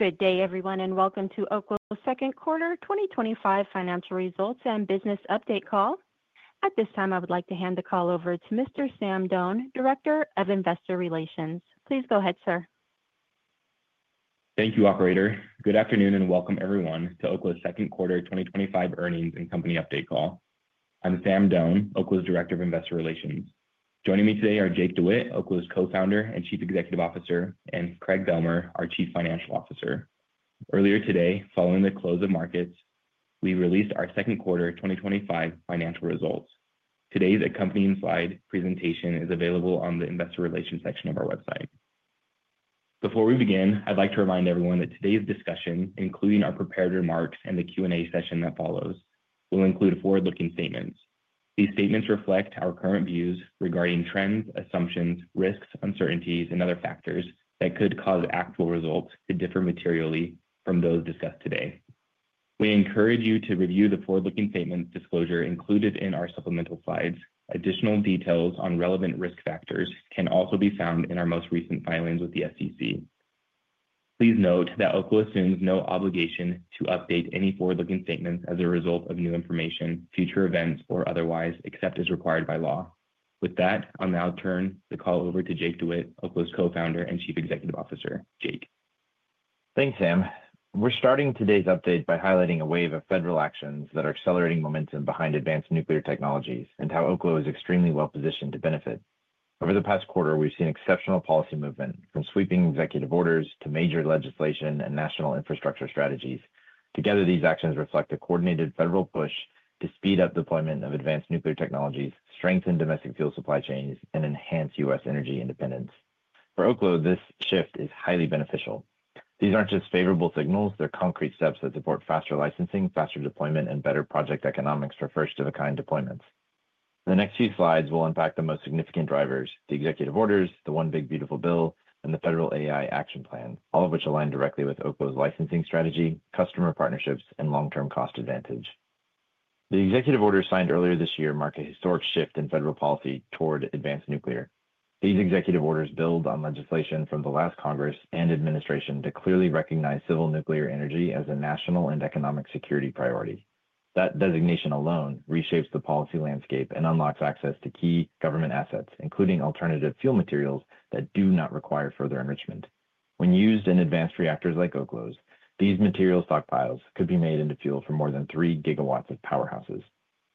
Good day, everyone, and welcome to Oklo's Second Quarter 2025 Financial Results and Business Update Call. At this time, I would like to hand the call over to Mr. Sam Doane, Director of Investor Relations. Please go ahead, sir. Thank you, Operator. Good afternoon and welcome, everyone, to Oklo's second quarter 2025 earnings and company update call. I'm Sam Doane, Oklo's Director of Investor Relations. Joining me today are Jacob DeWitte, Oklo's Co-Founder and Chief Executive Officer, and Craig Bealmear, our Chief Financial Officer. Earlier today, following the close of markets, we released our second quarter 2025 financial results. Today's accompanying slide presentation is available on the Investor Relations section of our website. Before we begin, I'd like to remind everyone that today's discussion, including our prepared remarks and the Q&A session that follows, will include forward-looking statements. These statements reflect our current views regarding trends, assumptions, risks, uncertainties, and other factors that could cause actual results to differ materially from those discussed today. We encourage you to review the forward-looking statements disclosure included in our supplemental slides. Additional details on relevant risk factors can also be found in our most recent filings with the SEC. Please note that Oklo assumes no obligation to update any forward-looking statements as a result of new information, future events, or otherwise, except as required by law. With that, I'll now turn the call over to Jacob DeWitte, Oklo's Co-Founder and Chief Executive Officer. Jacob. Thanks, Sam. We're starting today's update by highlighting a wave of federal actions that are accelerating momentum behind advanced nuclear technologies and how Oklo is extremely well positioned to benefit. Over the past quarter, we've seen exceptional policy movement from sweeping executive orders to major legislation and national infrastructure strategies. Together, these actions reflect a coordinated federal push to speed up deployment of advanced nuclear technologies, strengthen domestic fuel supply chains, and enhance U.S. energy independence. For Oklo, this shift is highly beneficial. These aren't just favorable signals, they're concrete steps that support faster licensing, faster deployment, and better project economics for first-of-a-kind deployments. The next few slides will unpack the most significant drivers: the executive orders, the one big beautiful bill, and the federal AI Action Plan, all of which align directly with Oklo's licensing strategy, customer partnerships, and long-term cost advantage. The executive orders signed earlier this year mark a historic shift in federal policy toward advanced nuclear. These executive orders build on legislation from the last Congress and administration to clearly recognize civil nuclear energy as a national and economic security priority. That designation alone reshapes the policy landscape and unlocks access to key government assets, including alternative fuel materials that do not require further enrichment. When used in advanced reactors like Oklo's, these material stockpiles could be made into fuel for more than three gigawatts of powerhouses.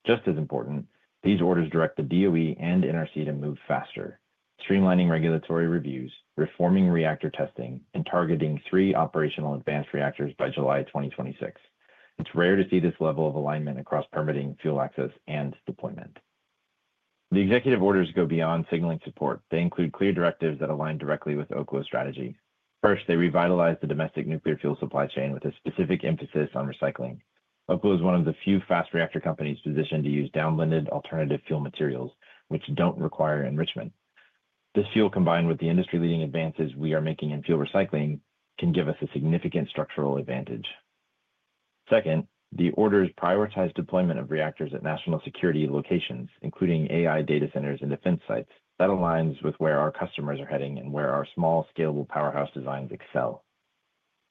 Just as important, these orders direct the DOE and NRC to move faster, streamlining regulatory reviews, reforming reactor testing, and targeting three operational advanced reactors by July 2026. It's rare to see this level of alignment across permitting, fuel access, and deployment. The executive orders go beyond signaling support. They include clear directives that align directly with Oklo's strategy. First, they revitalize the domestic nuclear fuel supply chain with a specific emphasis on recycling. Oklo is one of the few fast reactor companies positioned to use downblended alternative fuel materials which don't require enrichment. This fuel, combined with the industry-leading advances we are making in fuel recycling, can give us a significant structural advantage. Second, the orders prioritize deployment of reactors at national security locations, including AI data centers and defense sites. That aligns with where our customers are heading and where our small, scalable powerhouse designs excel.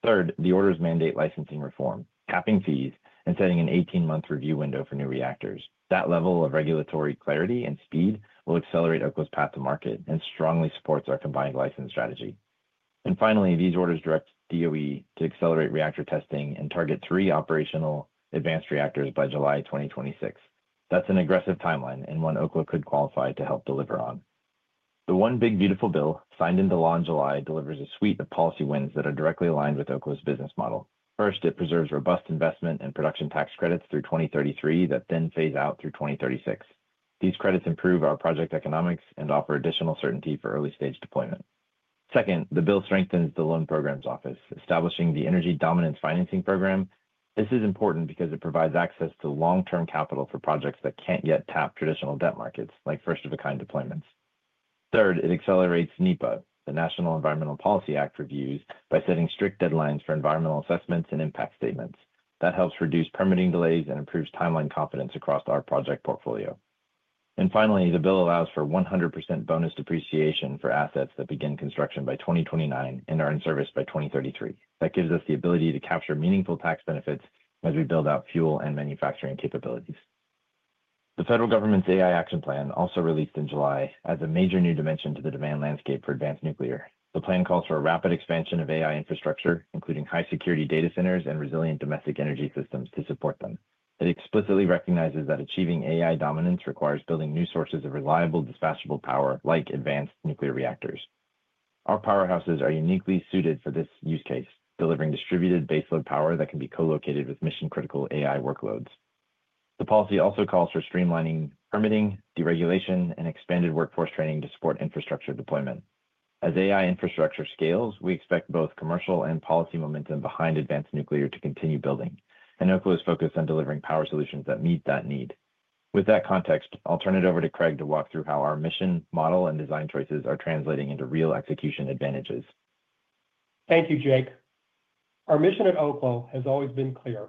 Third, the orders mandate licensing reform, capping fees, and setting an 18-month review window for new reactors. That level of regulatory clarity and speed will accelerate Oklo's path to market and strongly supports our combined license strategy. Finally, these orders direct the DOE to accelerate reactor testing and target three operational advanced reactors by July 2026. That's an aggressive timeline and one Oklo could qualify to help deliver on. The one big beautiful bill signed into law in July delivers a suite of policy wins that are directly aligned with Oklo's business model. First, it preserves robust investment and production tax credits through 2033 that then phase out through 2036. These credits improve our project economics and offer additional certainty for early-stage deployment. Second, the bill strengthens the Loan Programs Office, establishing the Energy Dominance Financing Program. This is important because it provides access to long-term capital for projects that can't yet tap traditional debt markets, like first-of-a-kind deployments. Third, it accelerates NEPA, the National Environmental Policy Act, reviews by setting strict deadlines for environmental assessments and impact statements. That helps reduce permitting delays and improves timeline confidence across our project portfolio. Finally, the bill allows for 100% bonus depreciation for assets that begin construction by 2029 and are in service by 2033. That gives us the ability to capture meaningful tax benefits as we build out fuel and manufacturing capabilities. The federal government's AI Action Plan, also released in July, adds a major new dimension to the demand landscape for advanced nuclear. The plan calls for a rapid expansion of AI infrastructure, including high-security data centers and resilient domestic energy systems to support them. It explicitly recognizes that achieving AI dominance requires building new sources of reliable, dispatchable power like advanced nuclear reactors. Our powerhouses are uniquely suited for this use case, delivering distributed baseload power that can be co-located with mission-critical AI workloads. The policy also calls for streamlining permitting, deregulation, and expanded workforce training to support infrastructure deployment. As AI infrastructure scales, we expect both commercial and policy momentum behind advanced nuclear to continue building, and Oklo is focused on delivering power solutions that meet that need. With that context, I'll turn it over to Craig to walk through how our mission, model, and design choices are translating into real execution advantages. Thank you, Jacob. Our mission at Oklo has always been clear: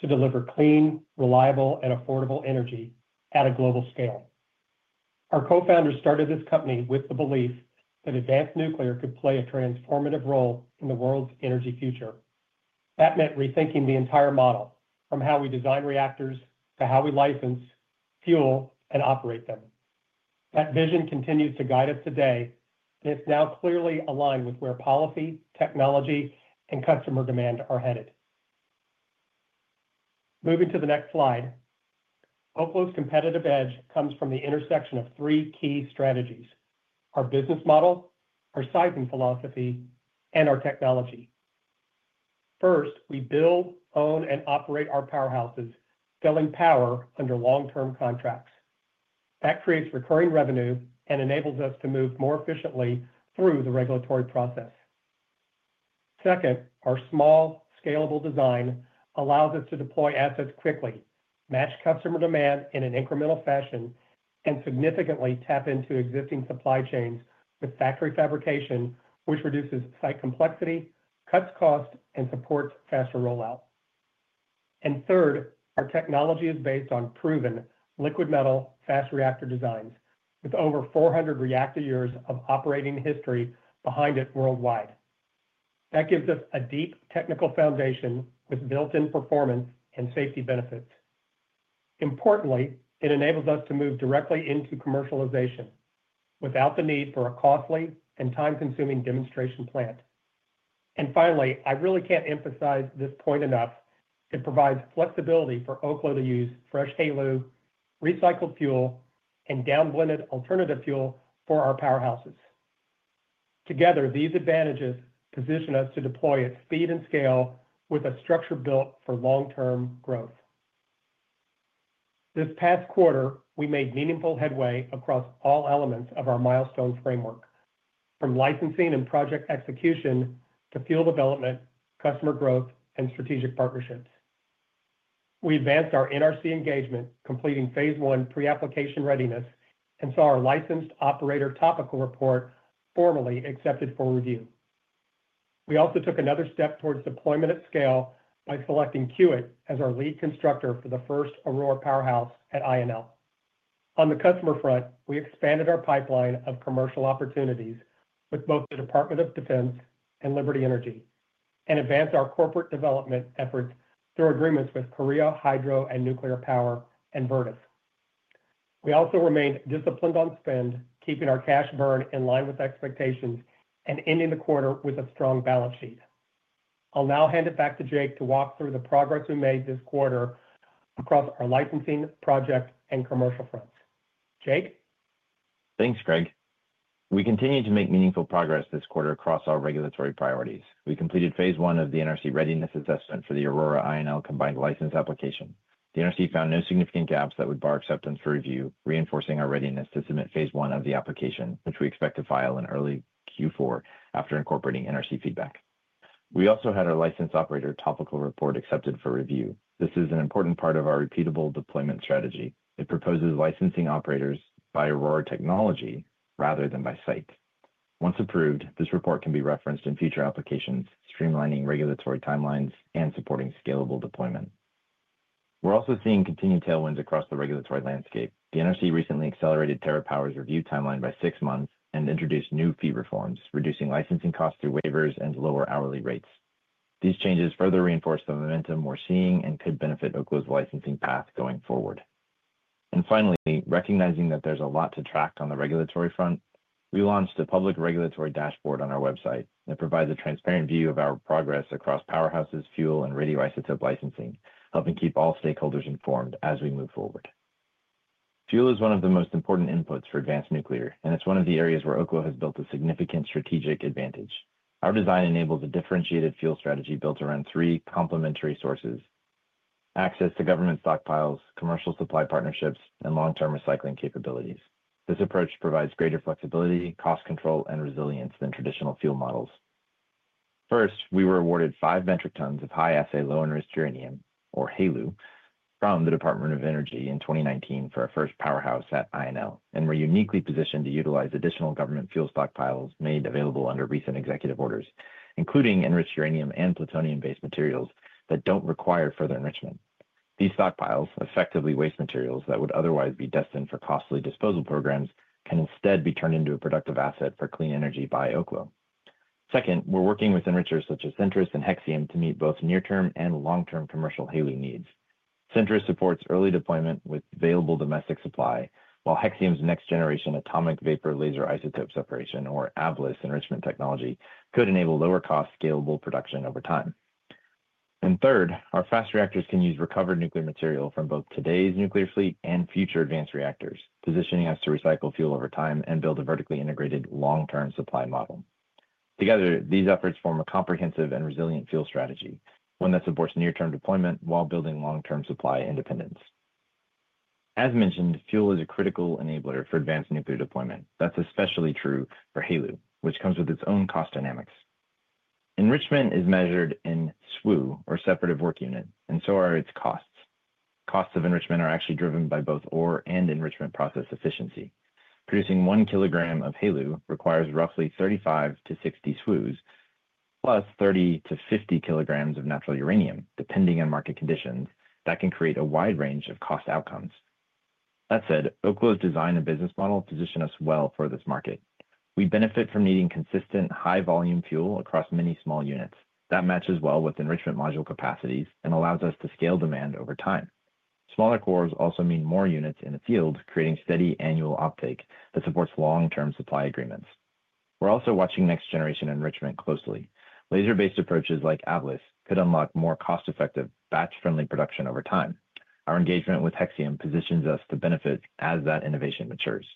to deliver clean, reliable, and affordable energy at a global scale. Our co-founders started this company with the belief that advanced nuclear could play a transformative role in the world's energy future. That meant rethinking the entire model, from how we design reactors to how we license, fuel, and operate them. That vision continues to guide us today, and it's now clearly aligned with where policy, technology, and customer demand are headed. Moving to the next slide, Oklo's competitive edge comes from the intersection of three key strategies: our business model, our sizing philosophy, and our technology. First, we build, own, and operate our powerhouses, selling power under long-term contracts. That creates recurring revenue and enables us to move more efficiently through the regulatory process. Second, our small, scalable design allows us to deploy assets quickly, match customer demand in an incremental fashion, and significantly tap into existing supply chains with factory fabrication, which reduces site complexity, cuts cost, and supports faster rollout. Third, our technology is based on proven liquid metal fast reactor designs, with over 400 reactor years of operating history behind it worldwide. That gives us a deep technical foundation with built-in performance and safety benefits. Importantly, it enables us to move directly into commercialization without the need for a costly and time-consuming demonstration plant. I really can't emphasize this point enough: it provides flexibility for Oklo to use fresh HALU, recycled fuel, and downblended alternative fuel for our powerhouses. Together, these advantages position us to deploy at speed and scale with a structure built for long-term growth. This past quarter, we made meaningful headway across all elements of our milestone framework, from licensing and project execution to fuel development, customer growth, and strategic partnerships. We advanced our NRC engagement, completing phase one pre-application readiness, and saw our licensed operator topical report formally accepted for review. We also took another step towards deployment at scale by selecting Kiewit as our lead constructor for the first Aurora Powerhouse at Idaho National Laboratory. On the customer front, we expanded our pipeline of commercial opportunities with both the Department of Defense and Liberty Energy and advanced our corporate development efforts through agreements with Korea Hydro & Nuclear Power and Vertiv. We also remained disciplined on spend, keeping our cash burn in line with expectations, and ending the quarter with a strong balance sheet. I'll now hand it back to Jacob to walk through the progress we made this quarter across our licensing project and commercial fronts. Jacob? Thanks, Craig. We continue to make meaningful progress this quarter across our regulatory priorities. We completed phase one of the NRC readiness assessment for the Aurora-INL combined license application. The NRC found no significant gaps that would bar acceptance for review, reinforcing our readiness to submit phase one of the application, which we expect to file in early Q4 after incorporating NRC feedback. We also had our licensed operator topical report accepted for review. This is an important part of our repeatable deployment strategy. It proposes licensing operators by Aurora technology rather than by site. Once approved, this report can be referenced in future applications, streamlining regulatory timelines and supporting scalable deployment. We are also seeing continued tailwinds across the regulatory landscape. The NRC recently accelerated TerraPower's review timeline by six months and introduced new fee reforms, reducing licensing costs through waivers and lower hourly rates. These changes further reinforce the momentum we are seeing and could benefit Oklo's licensing path going forward. Finally, recognizing that there is a lot to track on the regulatory front, we launched a public regulatory dashboard on our website that provides a transparent view of our progress across powerhouses, fuel, and radioisotope licensing, helping keep all stakeholders informed as we move forward. Fuel is one of the most important inputs for advanced nuclear, and it is one of the areas where Oklo has built a significant strategic advantage. Our design enables a differentiated fuel strategy built around three complementary sources: access to government stockpiles, commercial supply partnerships, and long-term recycling capabilities. This approach provides greater flexibility, cost control, and resilience than traditional fuel models. First, we were awarded five metric tons of high-assay, low-enriched uranium, or HALU, from the Department of Energy in 2019 for our first powerhouse at Idaho National Laboratory, and we are uniquely positioned to utilize additional government fuel stockpiles made available under recent executive orders, including enriched uranium and plutonium-based materials that do not require further enrichment. These stockpiles, effectively waste materials that would otherwise be destined for costly disposal programs, can instead be turned into a productive asset for clean energy by Oklo. Second, we're working with enrichers such as Centrus and Hexium to meet both near-term and long-term commercial HALU needs. Centrus supports early deployment with available domestic supply, while Hexium's next-generation atomic vapor laser isotope separation, or AVLIS enrichment technology, could enable lower-cost, scalable production over time. Third, our fast reactors can use recovered nuclear material from both today's nuclear fleet and future advanced reactors, positioning us to recycle fuel over time and build a vertically integrated long-term supply model. Together, these efforts form a comprehensive and resilient fuel strategy, one that supports near-term deployment while building long-term supply independence. As mentioned, fuel is a critical enabler for advanced nuclear deployment. That's especially true for HALU, which comes with its own cost dynamics. Enrichment is measured in SWU, or separative work unit, and so are its costs. Costs of enrichment are actually driven by both ore and enrichment process efficiency. Producing one kilogram of HALU requires roughly 35-60 SWU, plus 30-50 kg of natural uranium, depending on market conditions. That can create a wide range of cost outcomes. That said, Oklo's design and business model position us well for this market. We benefit from needing consistent, high-volume fuel across many small units. That matches well with enrichment module capacities and allows us to scale demand over time. Smaller cores also mean more units in the field, creating steady annual uptake that supports long-term supply agreements. We're also watching next-generation enrichment closely. Laser-based approaches like AVLIS could unlock more cost-effective, batch-friendly production over time. Our engagement with Hexium positions us to benefit as that innovation matures.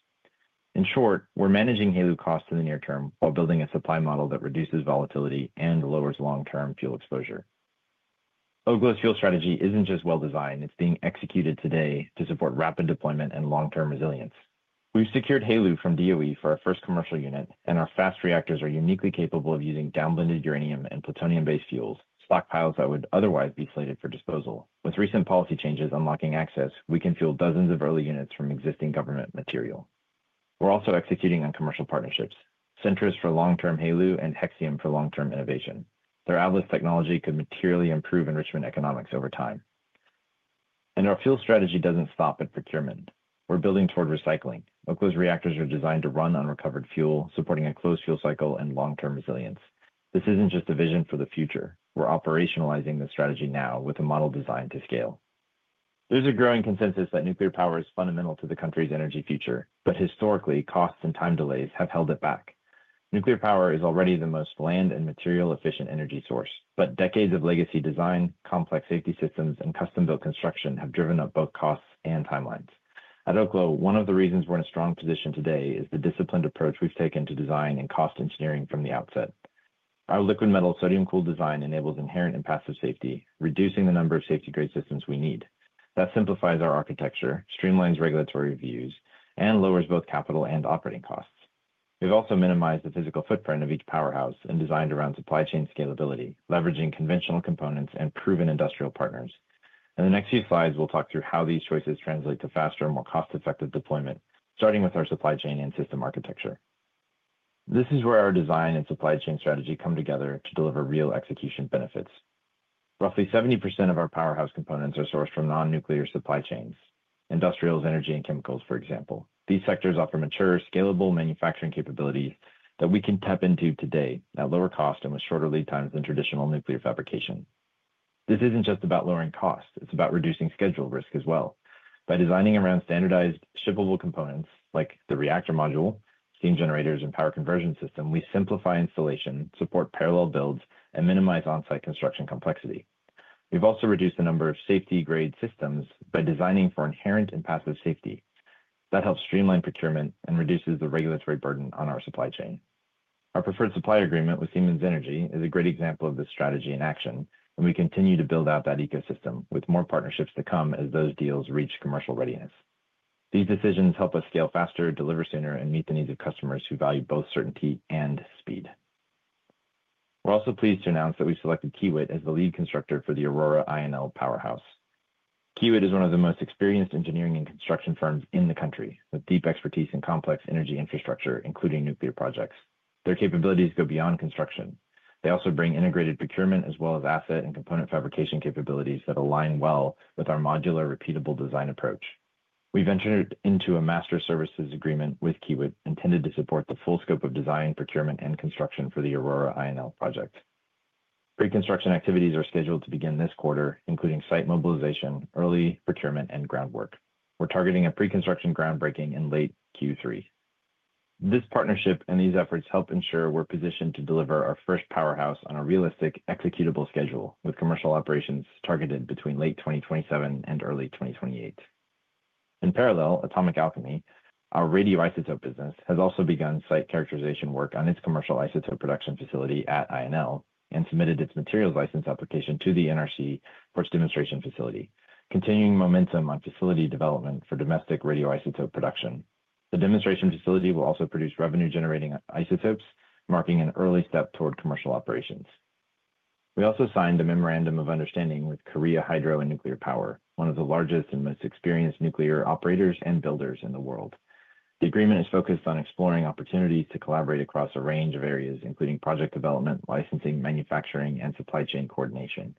In short, we're managing HALU costs in the near term while building a supply model that reduces volatility and lowers long-term fuel exposure. Oklo's fuel strategy isn't just well-designed; it's being executed today to support rapid deployment and long-term resilience. We've secured HALU from DOE for our first commercial unit, and our fast reactors are uniquely capable of using downblended uranium and plutonium-based fuels, stockpiles that would otherwise be slated for disposal. With recent policy changes unlocking access, we can fuel dozens of early units from existing government material. We're also executing on commercial partnerships: Centrus for long-term HALU and Hexium for long-term innovation. Their AVLIS technology could materially improve enrichment economics over time. Our fuel strategy doesn't stop at procurement. We're building toward recycling. Oklo's reactors are designed to run on recovered fuel, supporting a closed fuel cycle and long-term resilience. This isn't just a vision for the future. We're operationalizing the strategy now with a model designed to scale. There's a growing consensus that nuclear power is fundamental to the country's energy future, but historically, costs and time delays have held it back. Nuclear power is already the most land and material-efficient energy source, but decades of legacy design, complex safety systems, and custom-built construction have driven up both costs and timelines. At Oklo, one of the reasons we're in a strong position today is the disciplined approach we've taken to design and cost engineering from the outset. Our liquid metal sodium-cooled design enables inherent and passive safety, reducing the number of safety-grade systems we need. That simplifies our architecture, streamlines regulatory reviews, and lowers both capital and operating costs. We've also minimized the physical footprint of each powerhouse and designed around supply chain scalability, leveraging conventional components and proven industrial partners. In the next few slides, we'll talk through how these choices translate to faster, more cost-effective deployment, starting with our supply chain and system architecture. This is where our design and supply chain strategy come together to deliver real execution benefits. Roughly 70% of our powerhouse components are sourced from non-nuclear supply chains, industrials, energy, and chemicals, for example. These sectors offer mature, scalable manufacturing capabilities that we can tap into today at lower cost and with shorter lead times than traditional nuclear fabrication. This isn't just about lowering costs; it's about reducing schedule risk as well. By designing around standardized shippable components like the reactor module, steam generators, and power conversion system, we simplify installation, support parallel builds, and minimize on-site construction complexity. We've also reduced the number of safety-grade systems by designing for inherent and passive safety. That helps streamline procurement and reduces the regulatory burden on our supply chain. Our preferred supplier agreement with Siemens Energy is a great example of this strategy in action, and we continue to build out that ecosystem with more partnerships to come as those deals reach commercial readiness. These decisions help us scale faster, deliver sooner, and meet the needs of customers who value both certainty and speed. We're also pleased to announce that we've selected Kiewit as the lead constructor for the Aurora Powerhouse at Idaho National Laboratory. Kiewit is one of the most experienced engineering and construction firms in the country, with deep expertise in complex energy infrastructure, including nuclear projects. Their capabilities go beyond construction. They also bring integrated procurement, as well as asset and component fabrication capabilities that align well with our modular, repeatable design approach. We've entered into a master services agreement with Kiewit, intended to support the full scope of design, procurement, and construction for the Aurora Powerhouse project at Idaho National Laboratory. Pre-construction activities are scheduled to begin this quarter, including site mobilization, early procurement, and groundwork. We're targeting a pre-construction groundbreaking in late Q3. This partnership and these efforts help ensure we're positioned to deliver our first powerhouse on a realistic, executable schedule, with commercial operations targeted between late 2027 and early 2028. In parallel, Atomic Alchemy, our radioisotope business, has also begun site characterization work on its commercial isotope production facility at Idaho National Laboratory and submitted its materials license application to the NRC for the Porch Demonstration Facility, continuing momentum on facility development for domestic radioisotope production. The demonstration facility will also produce revenue-generating isotopes, marking an early step toward commercial operations. We also signed the Memorandum of Understanding with Korea Hydro & Nuclear Power, one of the largest and most experienced nuclear operators and builders in the world. The agreement is focused on exploring opportunities to collaborate across a range of areas, including project development, licensing, manufacturing, and supply chain coordination.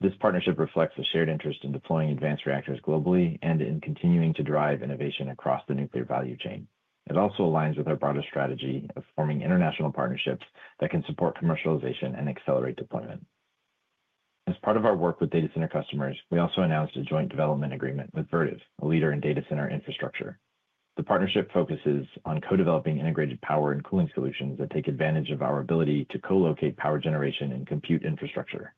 This partnership reflects a shared interest in deploying advanced nuclear reactors globally and in continuing to drive innovation across the nuclear value chain. It also aligns with our broader strategy of forming international partnerships that can support commercialization and accelerate deployment. As part of our work with data center customers, we also announced a joint development agreement with Vertiv, a leader in data center infrastructure. The partnership focuses on co-developing integrated power and cooling solutions that take advantage of our ability to co-locate power generation and compute infrastructure.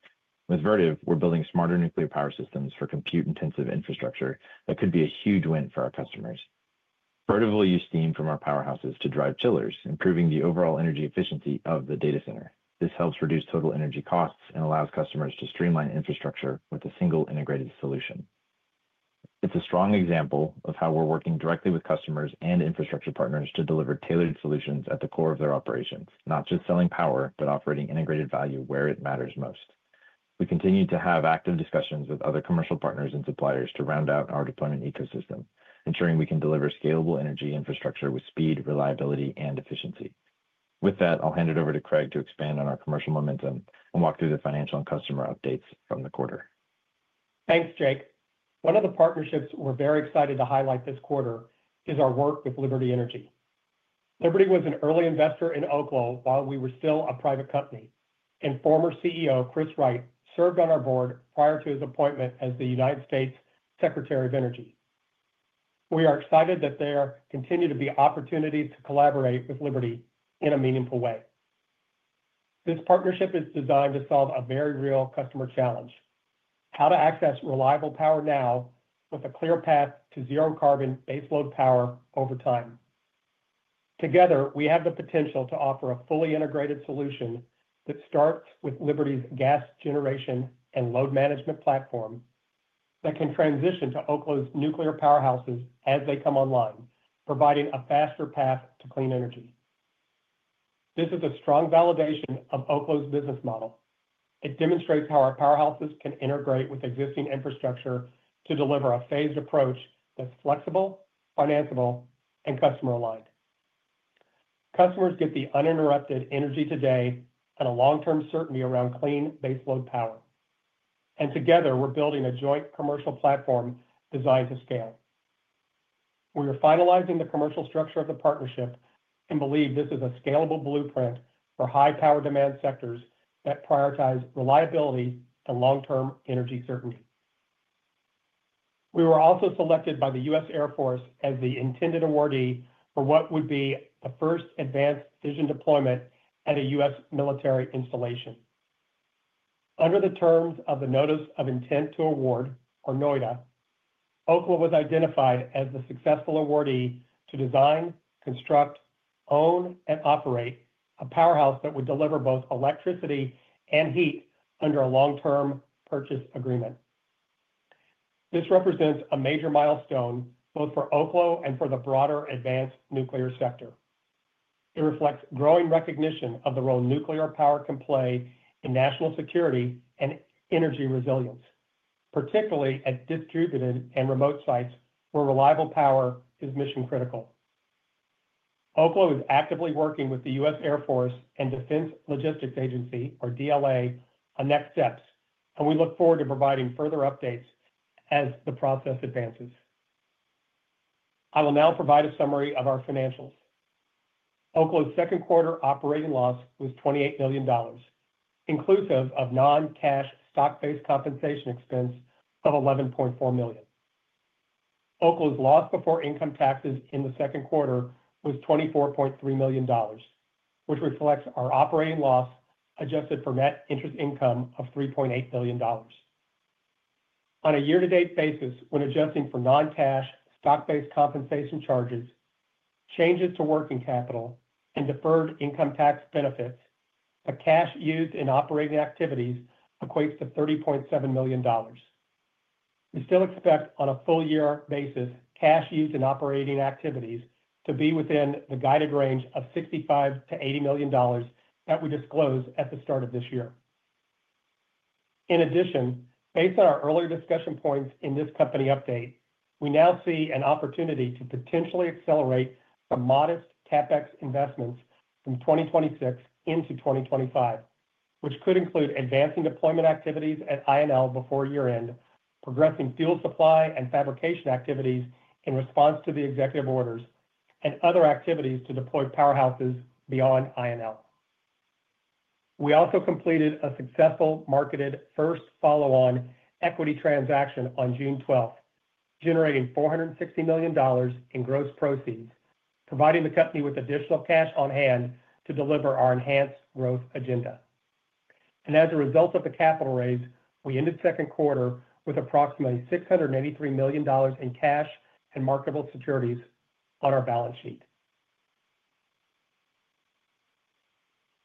With Vertiv, we're building smarter nuclear power systems for compute-intensive infrastructure that could be a huge win for our customers. Vertiv will use steam from our powerhouses to drive chillers, improving the overall energy efficiency of the data center. This helps reduce total energy costs and allows customers to streamline infrastructure with a single integrated solution. It's a strong example of how we're working directly with customers and infrastructure partners to deliver tailored solutions at the core of their operations, not just selling power, but operating integrated value where it matters most. We continue to have active discussions with other commercial partners and suppliers to round out our deployment ecosystem, ensuring we can deliver scalable energy infrastructure with speed, reliability, and efficiency. With that, I'll hand it over to Craig to expand on our commercial momentum and walk through the financial and customer updates from the quarter. Thanks, Jacob. One of the partnerships we're very excited to highlight this quarter is our work with Liberty Energy. Liberty was an early investor in Oklo while we were still a private company, and former CEO Chris Wright served on our board prior to his appointment as the United States Secretary of Energy. We are excited that there continue to be opportunities to collaborate with Liberty in a meaningful way. This partnership is designed to solve a very real customer challenge: how to access reliable power now with a clear path to zero carbon baseload power over time. Together, we have the potential to offer a fully integrated solution that starts with Liberty's gas generation and load management platform that can transition to Oklo's nuclear powerhouses as they come online, providing a faster path to clean energy. This is a strong validation of Oklo's business model. It demonstrates how our powerhouses can integrate with existing infrastructure to deliver a phased approach that's flexible, financeable, and customer-aligned. Customers get the uninterrupted energy today and a long-term certainty around clean baseload power. Together, we're building a joint commercial platform designed to scale. We are finalizing the commercial structure of the partnership and believe this is a scalable blueprint for high power demand sectors that prioritize reliability and long-term energy certainty. We were also selected by the U.S. Air Force as the intended awardee for what would be a first advanced vision deployment at a U.S. military installation. Under the terms of the Notice of Intent to Award, or NOITA, Oklo was identified as the successful awardee to design, construct, own, and operate a powerhouse that would deliver both electricity and heat under a long-term purchase agreement. This represents a major milestone both for Oklo and for the broader advanced nuclear sector. It reflects growing recognition of the role nuclear power can play in national security and energy resilience, particularly at distributed and remote sites where reliable power is mission-critical. Oklo is actively working with the U.S. Air Force and Defense Logistics Agency, or DLA, on next steps, and we look forward to providing further updates as the process advances. I will now provide a summary of our financials. Oklo's second quarter operating loss was $28 million, inclusive of non-cash stock-based compensation expense of $11.4 million. Oklo's loss before income taxes in the second quarter was $24.3 million, which reflects our operating loss adjusted for net interest income of $3.8 million. On a year-to-date basis, when adjusting for non-cash stock-based compensation charges, changes to working capital, and deferred income tax benefits, the cash used in operating activities equates to $30.7 million. We still expect, on a full-year basis, cash used in operating activities to be within the guided range of $65 million-$80 million that we disclosed at the start of this year. In addition, based on our earlier discussion points in this company update, we now see an opportunity to potentially accelerate the modest CapEx investments from 2026 into 2025, which could include advancing deployment activities at Idaho National Laboratory before year-end, progressing fuel supply and fabrication activities in response to the executive orders, and other activities to deploy powerhouses beyond Idaho National Laboratory. We also completed a successful marketed first follow-on equity transaction on June 12, generating $460 million in gross proceeds, providing the company with additional cash on hand to deliver our enhanced growth agenda. As a result of the capital raise, we ended the second quarter with approximately $683 million in cash and marketable securities on our balance sheet.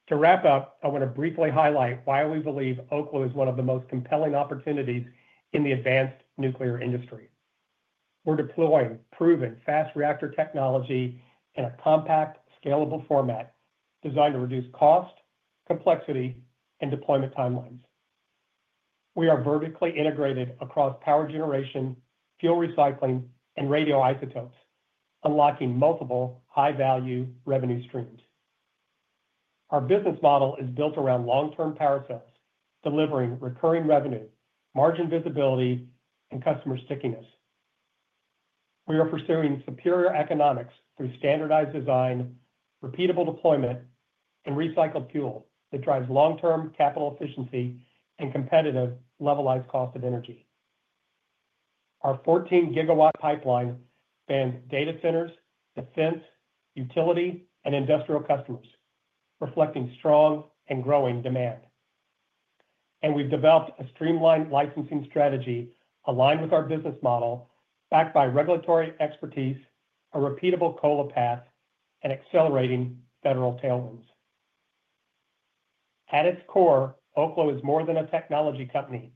To wrap up, I want to briefly highlight why we believe Oklo is one of the most compelling opportunities in the advanced nuclear industry. We're deploying proven fast reactor technology in a compact, scalable format designed to reduce cost, complexity, and deployment timelines. We are vertically integrated across power generation, fuel recycling, and radioisotopes, unlocking multiple high-value revenue streams. Our business model is built around long-term parasols, delivering recurring revenue, margin visibility, and customer stickiness. We are pursuing superior economics through standardized design, repeatable deployment, and recycled fuel that drives long-term capital efficiency and competitive levelized cost of energy. Our 14 GW pipeline spans data centers, defense, utility, and industrial customers, reflecting strong and growing demand. We have developed a streamlined licensing strategy aligned with our business model, backed by regulatory expertise, a repeatable COLA path, and accelerating federal tailwinds. At its core, Oklo is more than a technology company.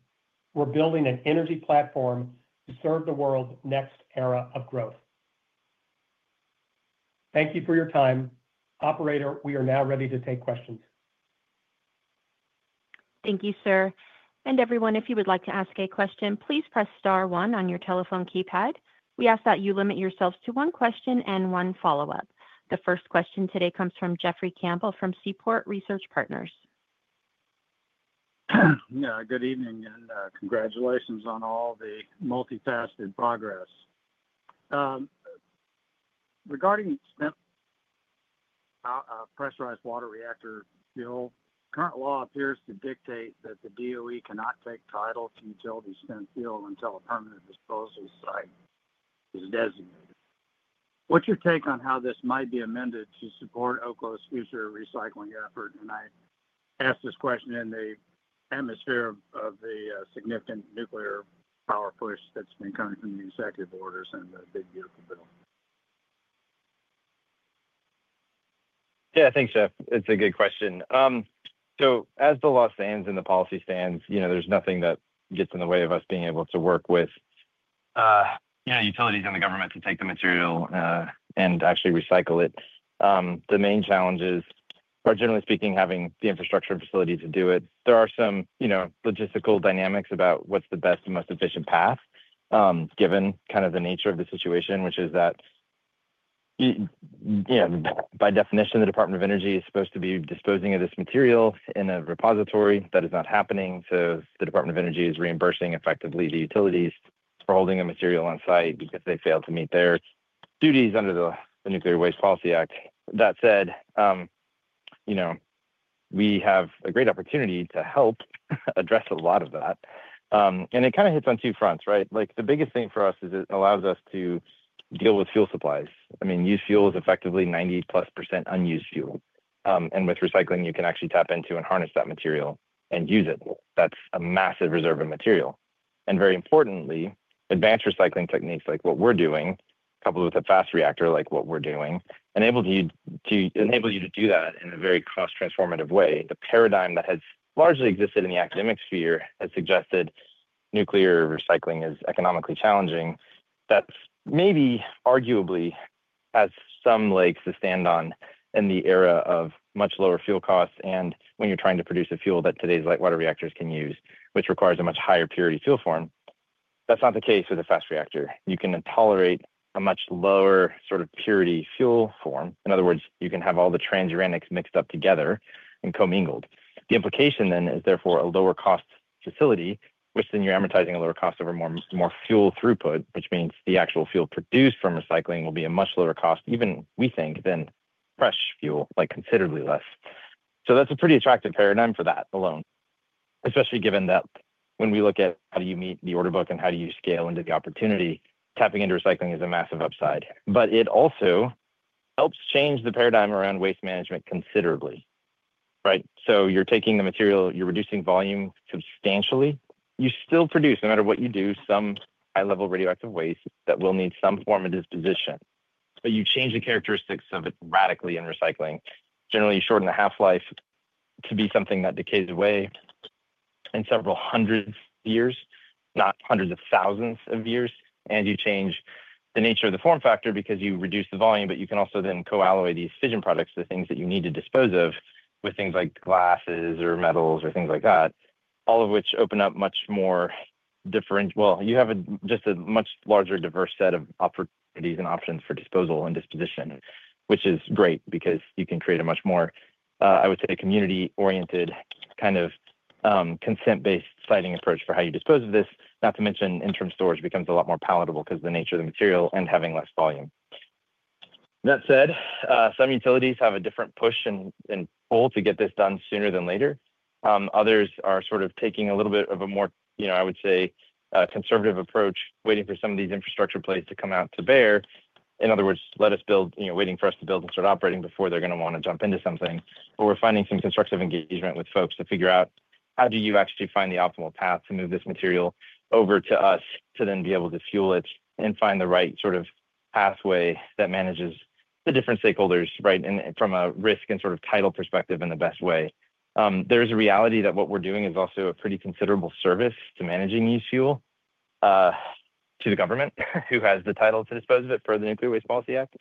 We're building an energy platform to serve the world's next era of growth. Thank you for your time. Operator, we are now ready to take questions. Thank you, sir. If you would like to ask a question, please press star one on your telephone keypad. We ask that you limit yourselves to one question and one follow-up. The first question today comes from Jeffrey Campbell from Seaport Research Partners. Good evening and congratulations on all the multifaceted progress. Regarding the STEMP pressurized water reactor fuel, current law appears to dictate that the DOE cannot take title to utility STEMP fuel until a permanent disposal site is designated. What's your take on how this might be amended to support Oklo's future recycling effort? I ask this question in the atmosphere of the significant nuclear power push that's been coming from the executive orders. Yeah, I think so. It's a good question. As the law stands and the policy stands, there's nothing that gets in the way of us being able to work with utilities and the government to take the material and actually recycle it. The main challenges are, generally speaking, having the infrastructure facility to do it. There are some logistical dynamics about what's the best and most efficient path, given kind of the nature of the situation, which is that, by definition, the Department of Energy is supposed to be disposing of this material in a repository. That is not happening. The Department of Energy is reimbursing effectively the utilities for holding the material on site because they failed to meet their duties under the Nuclear Waste Policy Act. That said, we have a great opportunity to help address a lot of that, and it kind of hits on two fronts, right? The biggest thing for us is it allows us to deal with fuel supplies. I mean, used fuel is effectively 90%+ unused fuel, and with recycling, you can actually tap into and harness that material and use it. That's a massive reserve of material. Very importantly, advanced recycling techniques like what we're doing, coupled with a fast reactor like what we're doing, enables you to do that in a very cross-transformative way. The paradigm that has largely existed in the academic sphere has suggested nuclear recycling is economically challenging. That maybe arguably has some legs to stand on in the era of much lower fuel costs and when you're trying to produce a fuel that today's light water reactors can use, which requires a much higher purity fuel form. That's not the case with a fast reactor. You can tolerate a much lower sort of purity fuel form. In other words, you can have all the transuranics mixed up together and commingled. The implication then is therefore a lower cost facility, which then you're amortizing a lower cost over more fuel throughput, which means the actual fuel produced from recycling will be a much lower cost, even we think, than fresh fuel, like considerably less. That's a pretty attractive paradigm for that alone, especially given that when we look at how do you meet the order book and how do you scale into the opportunity, tapping into recycling is a massive upside. It also helps change the paradigm around waste management considerably, right? You're taking the material, you're reducing volume substantially. You still produce, no matter what you do, some high-level radioactive waste that will need some form of disposition. You change the characteristics of it radically in recycling. Generally, you shorten the half-life to be something that decays away in several hundreds of years, not hundreds of thousands of years. You change the nature of the form factor because you reduce the volume, but you can also then co-alloy these fission products, the things that you need to dispose of, with things like glasses or metals or things like that, all of which open up much more different options. You have just a much larger, diverse set of opportunities and options for disposal and disposition, which is great because you can create a much more, I would say, community-oriented kind of consent-based siting approach for how you dispose of this. Not to mention, interim storage becomes a lot more palatable because of the nature of the material and having less volume. That said, some utilities have a different push and pull to get this done sooner than later. Others are sort of taking a little bit of a more, I would say, conservative approach, waiting for some of these infrastructure plays to come out to bear. In other words, waiting for us to build and start operating before they're going to want to jump into something. We're finding some constructive engagement with folks to figure out how do you actually find the optimal path to move this material over to us to then be able to fuel it and find the right sort of pathway that manages the different stakeholders, right? From a risk and sort of title perspective, in the best way. There is a reality that what we're doing is also a pretty considerable service to managing used fuel, to the government who has the title to dispose of it per the Nuclear Waste Policy Act,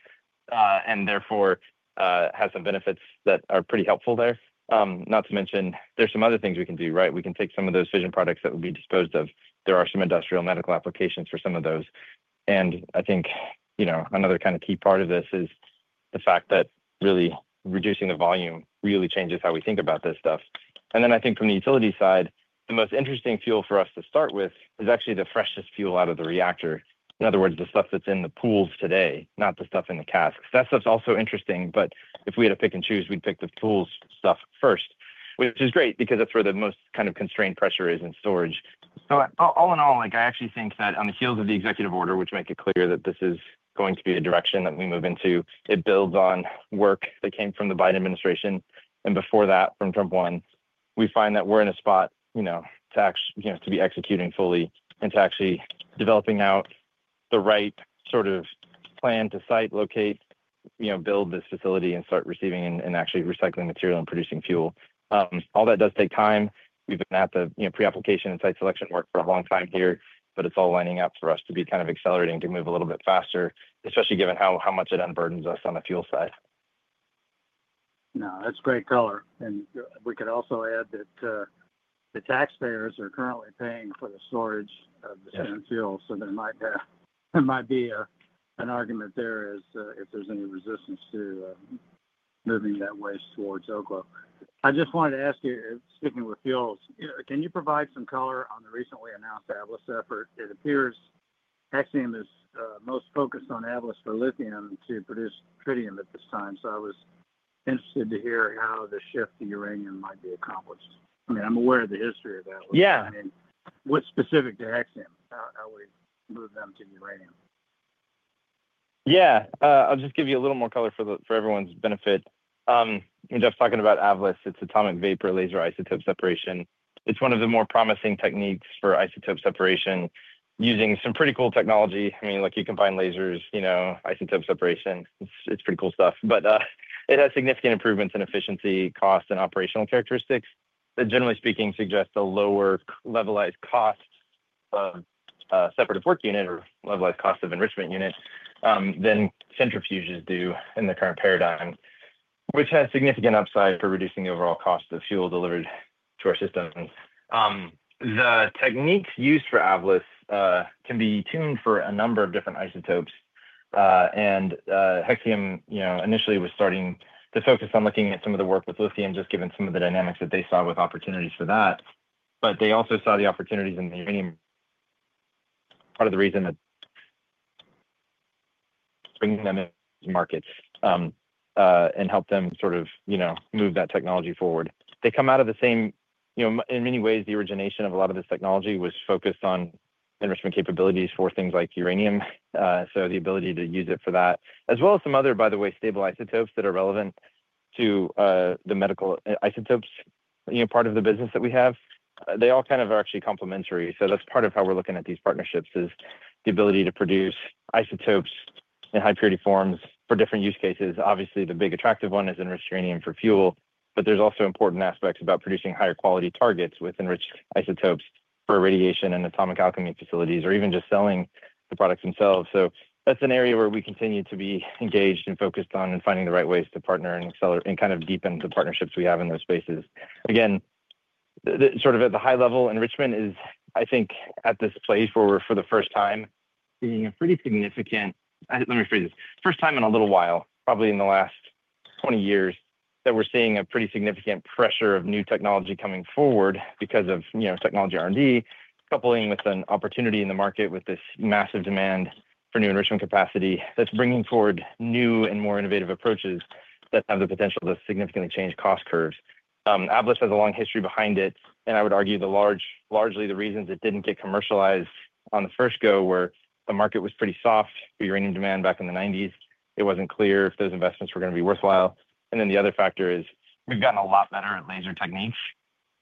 and therefore, has some benefits that are pretty helpful there. Not to mention, there's some other things we can do, right? We can take some of those fission products that would be disposed of. There are some industrial and medical applications for some of those. I think another kind of key part of this is the fact that really reducing the volume really changes how we think about this stuff. I think from the utility side, the most interesting fuel for us to start with is actually the freshest fuel out of the reactor. In other words, the stuff that's in the pools today, not the stuff in the casks. That stuff's also interesting, but if we had to pick and choose, we'd pick the pools' stuff first, which is great because that's where the most kind of constrained pressure is in storage. All in all, I actually think that on the heels of the executive order, which makes it clear that this is going to be a direction that we move into, it builds on work that came from the Biden administration. Before that, from Trump, we find that we're in a spot to actually be executing fully and to actually developing out the right sort of plan to site, locate, build this facility and start receiving and actually recycling material and producing fuel. All that does take time. We've been at the pre-application and site selection work for a long time here, but it's all lining up for us to be kind of accelerating to move a little bit faster, especially given how much it unburdens us on the fuel side. No, that's great color. We could also add that the taxpayers are currently paying for the storage of the spent fuel. There might be an argument there if there's any resistance to moving that waste towards Oklo. I just wanted to ask you, sticking with fuels, can you provide some color on the recently announced AVLIS effort? It appears Hexium is most focused on AVLIS for lithium to produce tritium at this time. I was interested to hear how the shift to uranium might be accomplished. I'm aware of the history of that. What's specific to Hexium? I would even move them to uranium. Yeah, I'll just give you a little more color for everyone's benefit. I'm just talking about AVLIS. It's atomic vapor laser isotope separation. It's one of the more promising techniques for isotope separation using some pretty cool technology. I mean, like you combine lasers, you know, isotope separation. It's pretty cool stuff. It has significant improvements in efficiency, cost, and operational characteristics that, generally speaking, suggest a lower levelized cost of a separate work unit or levelized cost of enrichment unit than centrifuges do in the current paradigm, which has significant upside for reducing the overall cost of fuel delivered to our systems. The techniques used for AVLIS can be tuned for a number of different isotopes. Hexium, you know, initially was starting to focus on looking at some of the work with lithium, just given some of the dynamics that they saw with opportunities for that. They also saw the opportunities in uranium. Part of the reason that bringing them into markets and help them sort of, you know, move that technology forward. They come out of the same, you know, in many ways, the origination of a lot of this technology was focused on enrichment capabilities for things like uranium. The ability to use it for that, as well as some other, by the way, stable isotopes that are relevant to the medical isotopes, you know, part of the business that we have. They all kind of are actually complementary. That's part of how we're looking at these partnerships is the ability to produce isotopes in high-purity forms for different use cases. Obviously, the big attractive one is enriched uranium for fuel, but there's also important aspects about producing higher quality targets with enriched isotopes for radiation and Atomic Alchemy facilities or even just selling the products themselves. That's an area where we continue to be engaged and focused on and finding the right ways to partner and accelerate and kind of deepen the partnerships we have in those spaces. Again, sort of at the high level, enrichment is, I think, at this place where we're, for the first time, seeing a pretty significant, let me rephrase this, first time in a little while, probably in the last 20 years, that we're seeing a pretty significant pressure of new technology coming forward because of, you know, technology R&D coupling with an opportunity in the market with this massive demand for new enrichment capacity that's bringing forward new and more innovative approaches that have the potential to significantly change cost curves. AVLIS has a long history behind it, and I would argue largely the reasons it didn't get commercialized on the first go were the market was pretty soft for uranium demand back in the 1990s. It wasn't clear if those investments were going to be worthwhile. The other factor is we've gotten a lot better at laser techniques,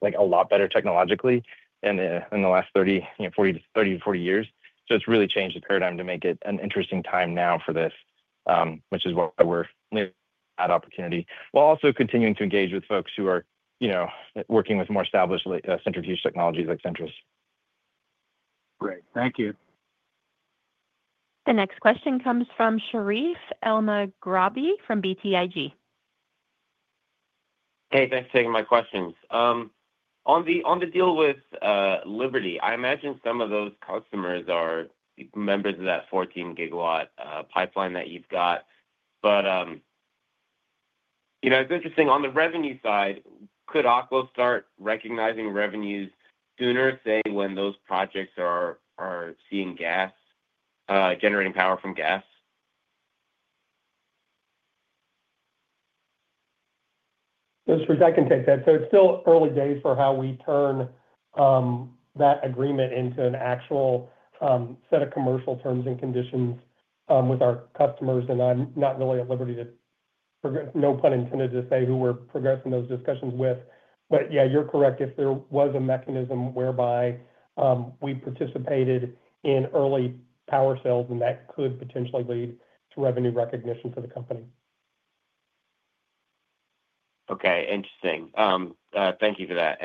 like a lot better technologically in the last 30-40 years. It has really changed the paradigm to make it an interesting time now for this, which is what we're at opportunity. We're also continuing to engage with folks who are, you know, working with more established centrifuge technologies like Centrus. Great. Thank you. The next question comes from Sherif Elmaghrabi from BTIG. Hey, thanks for taking my questions. On the deal with Liberty, I imagine some of those customers are members of that 14 GW pipeline that you've got. It's interesting on the revenue side, could Oklo start recognizing revenues sooner, say, when those projects are seeing gas, generating power from gas? Sure, I can take that. It's still early days for how we turn that agreement into an actual set of commercial terms and conditions with our customers. I'm not really at Liberty, for no pun intended, to say who we're progressing those discussions with. Yeah, you're correct. If there was a mechanism whereby we participated in early power sales, that could potentially lead to revenue recognition for the company. Okay, interesting. Thank you for that.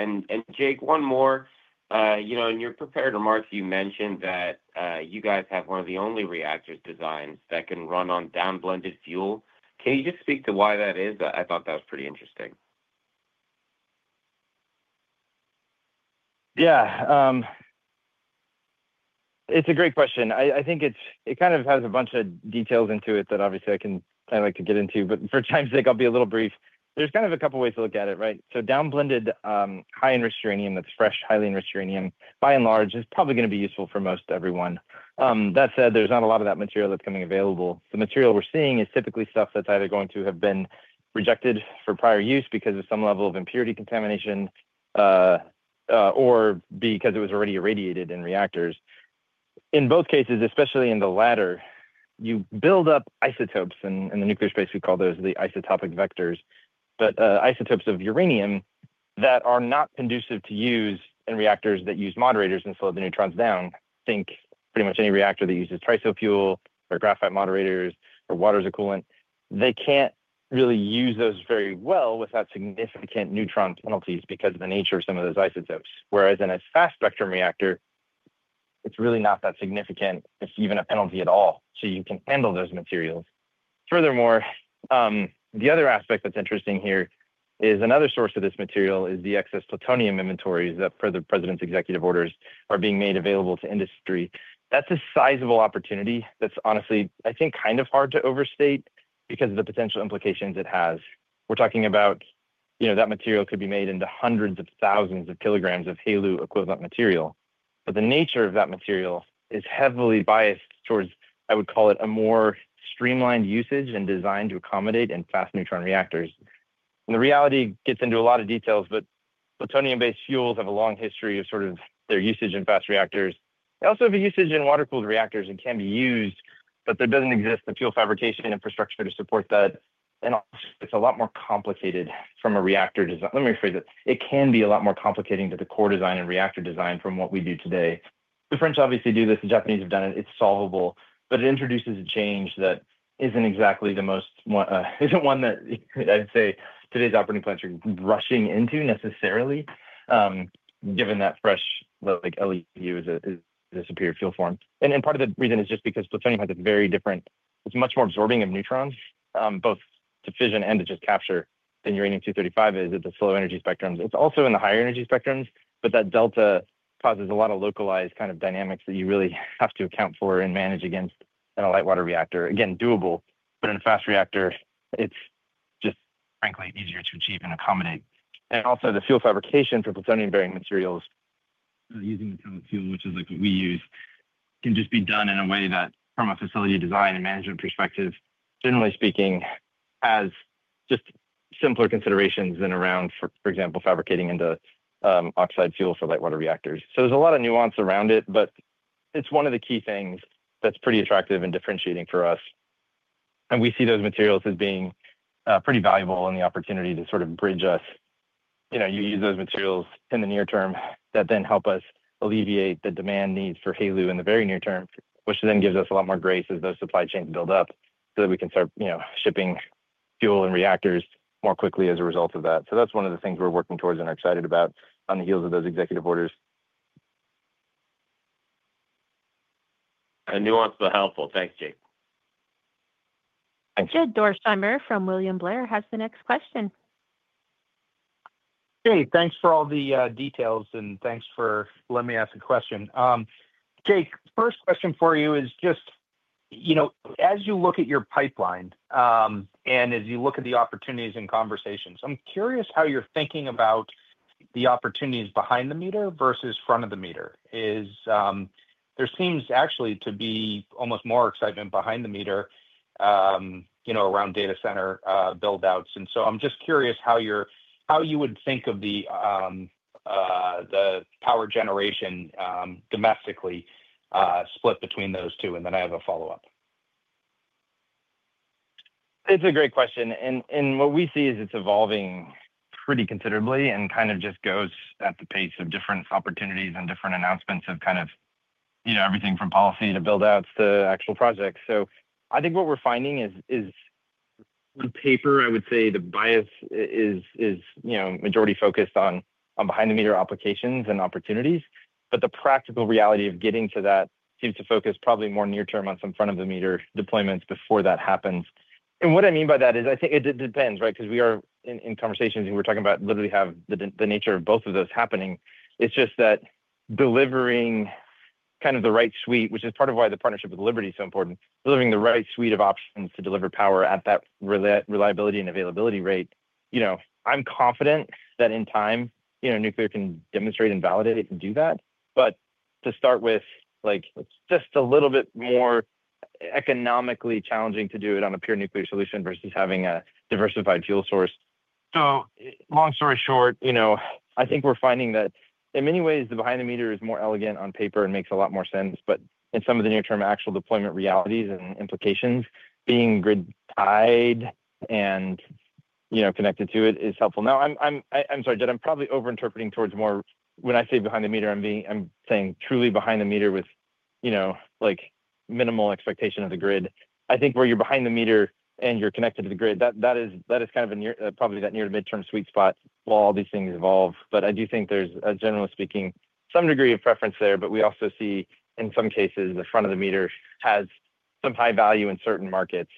Jacob, one more, in your prepared remarks, you mentioned that you guys have one of the only reactor designs that can run on downblended fuel. Can you just speak to why that is? I thought that was pretty interesting. Yeah. It's a great question. I think it kind of has a bunch of details into it that obviously I like to get into. For time's sake, I'll be a little brief. There's kind of a couple of ways to look at it, right? Downblended high enriched uranium that's fresh, highly enriched uranium, by and large, is probably going to be useful for most everyone. That said, there's not a lot of that material that's coming available. The material we're seeing is typically stuff that's either going to have been rejected for prior use because of some level of impurity contamination or because it was already irradiated in reactors. In both cases, especially in the latter, you build up isotopes in the nuclear space. We call those the isotopic vectors. Isotopes of uranium that are not conducive to use in reactors that use moderators and slow the neutrons down, think pretty much any reactor that uses TRISO fuel or graphite moderators or water as a coolant, they can't really use those very well without significant neutron penalties because of the nature of some of those isotopes. Whereas in a fast spectrum reactor, it's really not that significant if even a penalty at all. You can handle those materials. Furthermore, the other aspect that's interesting here is another source of this material is the excess plutonium inventories that, per the president's executive orders, are being made available to industry. That's a sizable opportunity that's honestly, I think, kind of hard to overstate because of the potential implications it has. We're talking about, you know, that material could be made into hundreds of thousands of kilograms of HALU equivalent material. The nature of that material is heavily biased towards, I would call it, a more streamlined usage and designed to accommodate in fast neutron reactors. The reality gets into a lot of details, but plutonium-based fuels have a long history of their usage in fast reactors. They also have a usage in water-cooled reactors and can be used, but there doesn't exist the fuel fabrication infrastructure to support that. It's a lot more complicated from a reactor design. Let me rephrase it. It can be a lot more complicating to the core design and reactor design from what we do today. The French obviously do this. The Japanese have done it. It's solvable. It introduces a change that isn't exactly the most, isn't one that I'd say today's operating plants are rushing into necessarily, given that fresh, like LEU is a superior fuel form. Part of the reason is just because plutonium has a very different, it's much more absorbing of neutrons, both to fission and to just capture than uranium-235 is at the slow energy spectrums. It's also in the higher energy spectrums, but that delta causes a lot of localized kind of dynamics that you really have to account for and manage against in a light water reactor. Again, doable. In a fast reactor, it's just frankly easier to achieve and accommodate. Also, the fuel fabrication for plutonium-bearing materials using metallic fuel, which is like what we use, can just be done in a way that, from a facility design and management perspective, generally speaking, has just simpler considerations than around, for example, fabricating into oxide fuel for light water reactors. There's a lot of nuance around it, but it's one of the key things that's pretty attractive and differentiating for us. We see those materials as being pretty valuable in the opportunity to sort of bridge us. You know, you use those materials in the near term that then help us alleviate the demand needs for HALU in the very near term, which then gives us a lot more grace as those supply chains build up so that we can start, you know, shipping fuel and reactors more quickly as a result of that. That's one of the things we're working towards and are excited about on the heels of those executive orders. A nuance, but helpful. Thanks, Jacob. Thanks. Jed Dorsheimer from William Blair has the next question. Hey, thanks for all the details and thanks for letting me ask a question. Jacob, first question for you is just, you know, as you look at your pipeline and as you look at the opportunities and conversations, I'm curious how you're thinking about the opportunities behind the meter versus front of the meter. There seems actually to be almost more excitement behind the meter, you know, around data center buildouts. I'm just curious how you would think of the power generation, domestically, split between those two. I have a follow-up. It's a great question. What we see is it's evolving pretty considerably and just goes at the pace of different opportunities and different announcements of everything from policy to buildouts to actual projects. I think what we're finding is, on paper, the bias is majority focused on behind-the-meter applications and opportunities. The practical reality of getting to that seems to focus probably more near-term on some front-of-the-meter deployments before that happens. What I mean by that is I think it depends, right? We are in conversations and we're talking about literally having the nature of both of those happening. It's just that delivering the right suite, which is part of why the partnership with Liberty Energy is so important, delivering the right suite of options to deliver power at that reliability and availability rate, I'm confident that in time, nuclear can demonstrate and validate and do that. To start with, it's just a little bit more economically challenging to do it on a pure nuclear solution versus having a diversified fuel source. Long story short, I think we're finding that in many ways, the behind-the-meter is more elegant on paper and makes a lot more sense. In some of the near-term actual deployment realities and implications, being grid-tied and connected to it is helpful. I'm sorry, Judd, I'm probably over-interpreting towards more, when I say behind-the-meter, I'm saying truly behind-the-meter with minimal expectation of the grid. I think where you're behind-the-meter and you're connected to the grid, that is probably that near-to-midterm sweet spot while all these things evolve. I do think there's, generally speaking, some degree of preference there. We also see, in some cases, the front-of-the-meter has some high value in certain markets.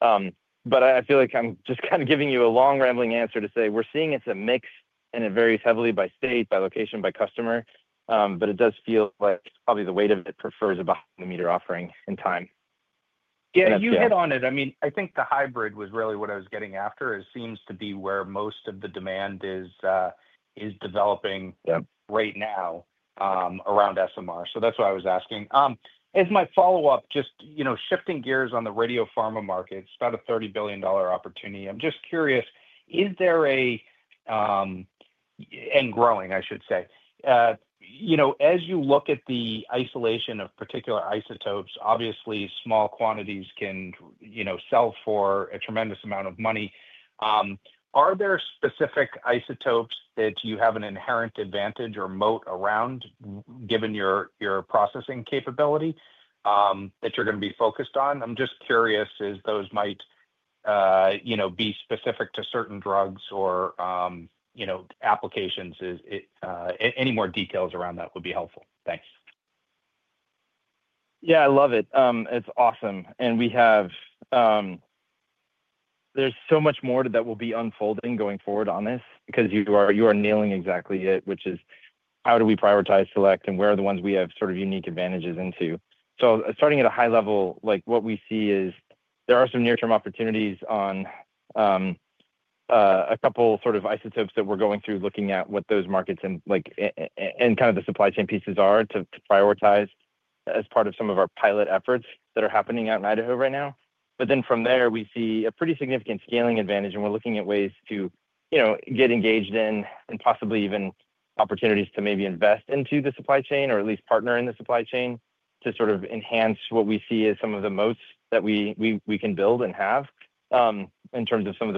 I feel like I'm just giving you a long rambling answer to say we're seeing it's a mix and it varies heavily by state, by location, by customer. It does feel like probably the weight of it prefers a behind-the-meter offering in time. Yeah, you hit on it. I mean, I think the hybrid was really what I was getting after. It seems to be where most of the demand is developing right now, around SMR. That's why I was asking. As my follow-up, just, you know, shifting gears on the radiopharma market, it's about a $30 billion opportunity and growing, I should say. You know, as you look at the isolation of particular isotopes, obviously small quantities can sell for a tremendous amount of money. Are there specific isotopes that you have an inherent advantage or moat around, given your processing capability, that you're going to be focused on? I'm just curious as those might be specific to certain drugs or applications. Any more details around that would be helpful. Thanks. Yeah, I love it. It's awesome. There is so much more that will be unfolding going forward on this because you are nailing exactly it, which is how do we prioritize, select, and where are the ones we have sort of unique advantages into. Starting at a high level, what we see is there are some near-term opportunities on a couple sort of isotopes that we're going through, looking at what those markets are like and kind of the supply chain pieces to prioritize as part of some of our pilot efforts that are happening out in Idaho right now. From there, we see a pretty significant scaling advantage, and we're looking at ways to get engaged in and possibly even opportunities to maybe invest into the supply chain or at least partner in the supply chain to enhance what we see as some of the moats that we can build and have, in terms of some of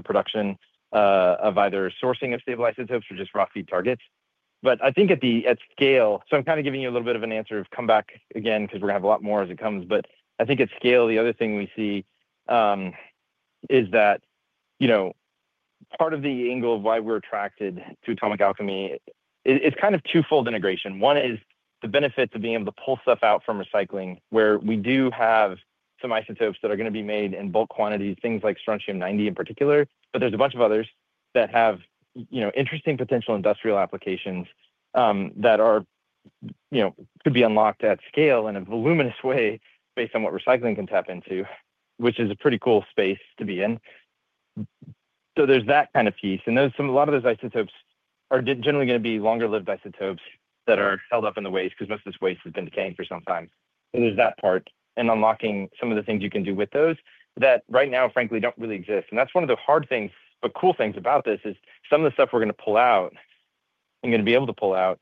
the production, of either sourcing of stable isotopes or just raw feed targets. I think at scale, so I'm kind of giving you a little bit of an answer to come back again because we're going to have a lot more as it comes. I think at scale, the other thing we see is that part of the angle of why we're attracted to Atomic Alchemy, it's kind of twofold integration. One is the benefit to being able to pull stuff out from recycling where we do have some isotopes that are going to be made in bulk quantities, things like strontium-90 in particular. There are a bunch of others that have interesting potential industrial applications that could be unlocked at scale in a voluminous way based on what recycling can tap into, which is a pretty cool space to be in. There is that kind of piece. A lot of those isotopes are generally going to be longer-lived isotopes that are held up in the waste because most of this waste has been decaying for some time. There is that part and unlocking some of the things you can do with those that right now, frankly, don't really exist. That's one of the hard things, but cool things about this is some of the stuff we're going to pull out and going to be able to pull out,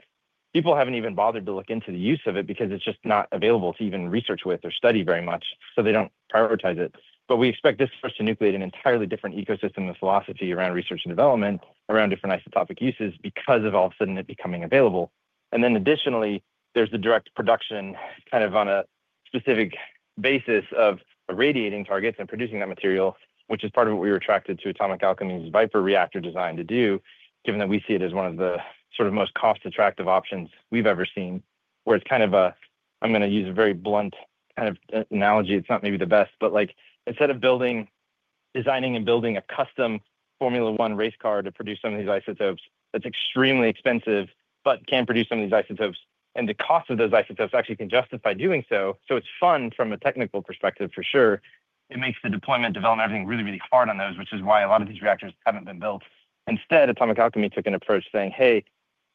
people haven't even bothered to look into the use of it because it's just not available to even research with or study very much. They don't prioritize it. We expect this first to nucleate an entirely different ecosystem of philosophy around research and development around different isotopic uses because of all of a sudden it becoming available. Additionally, there's the direct production kind of on a specific basis of irradiating targets and producing that material, which is part of what we were attracted to Atomic Alchemy's VIPER reactor design to do, given that we see it as one of the sort of most cost-attractive options we've ever seen, where it's kind of a, I'm going to use a very blunt kind of analogy. It's not maybe the best, but like instead of designing and building a custom Formula One race car to produce some of these isotopes that's extremely expensive but can produce some of these isotopes, and the cost of those isotopes actually can justify doing so. It's fun from a technical perspective for sure. It makes the deployment, development, everything really, really hard on those, which is why a lot of these reactors haven't been built. Instead, Atomic Alchemy took an approach saying, hey,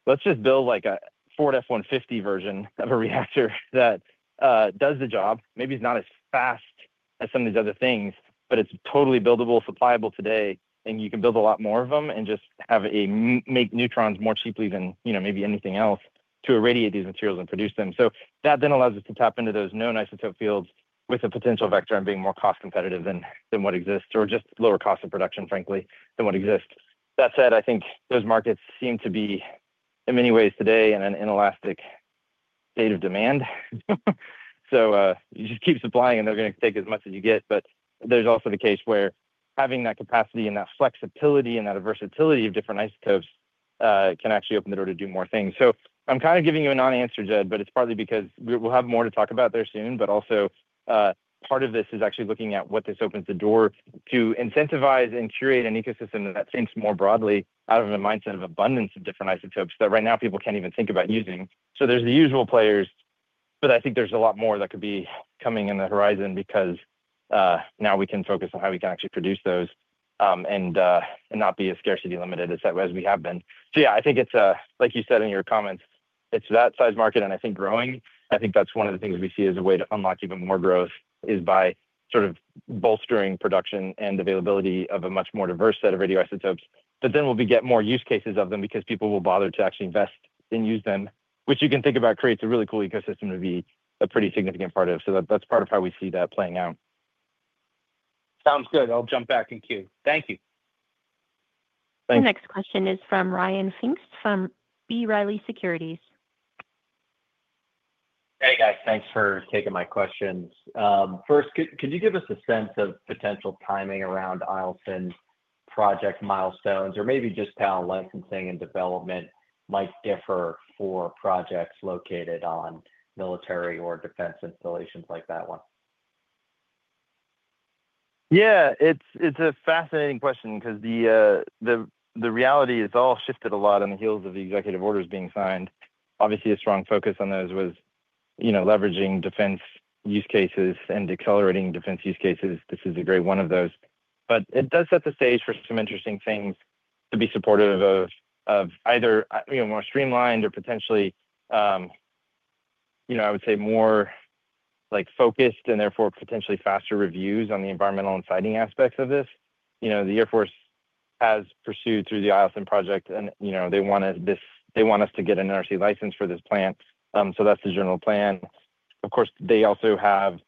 let's just build like a Ford F-150 version of a reactor that does the job. Maybe it's not as fast as some of these other things, but it's totally buildable, supplyable today, and you can build a lot more of them and just have a make neutrons more cheaply than, you know, maybe anything else to irradiate these materials and produce them. That then allows us to tap into those known isotope fields with a potential vector and being more cost-competitive than what exists or just lower cost of production, frankly, than what exists. That said, I think those markets seem to be in many ways today in an inelastic state of demand. You just keep supplying and they're going to take as much as you get. There's also the case where having that capacity and that flexibility and that versatility of different isotopes can actually open the door to do more things. I'm kind of giving you a non-answer, Judd, but it's partly because we'll have more to talk about there soon. Also, part of this is actually looking at what this opens the door to incentivize and curate an ecosystem that thinks more broadly out of a mindset of abundance of different isotopes that right now people can't even think about using. There are the usual players, but I think there's a lot more that could be coming on the horizon because now we can focus on how we can actually produce those and not be as scarcity-limited as we have been. I think it's a, like you said in your comments, it's that size market and I think growing. I think that's one of the things we see as a way to unlock even more growth, by sort of bolstering production and availability of a much more diverse set of radioisotopes. Then we'll get more use cases of them because people will bother to actually invest and use them, which you can think about creates a really cool ecosystem to be a pretty significant part of. That's part of how we see that playing out. Sounds good. I'll jump back in queue. Thank you. The next question is from Ryan Pfingst from B. Riley Securities. Hey guys, thanks for taking my questions. First, could you give us a sense of potential timing around Oklo's project milestones, or maybe just how licensing and development might differ for projects located on military or defense installations like that one? Yeah, it's a fascinating question because the reality is it's all shifted a lot on the heels of the executive orders being signed. Obviously, a strong focus on those was leveraging defense use cases and accelerating defense use cases. This is a great one of those. It does set the stage for some interesting things to be supportive of either more streamlined or potentially, I would say, more focused and therefore potentially faster reviews on the environmental and siting aspects of this. The Air Force has pursued through the Eielson project and they want us to get an NRC license for this plant. That's the general plan. Of course, they also have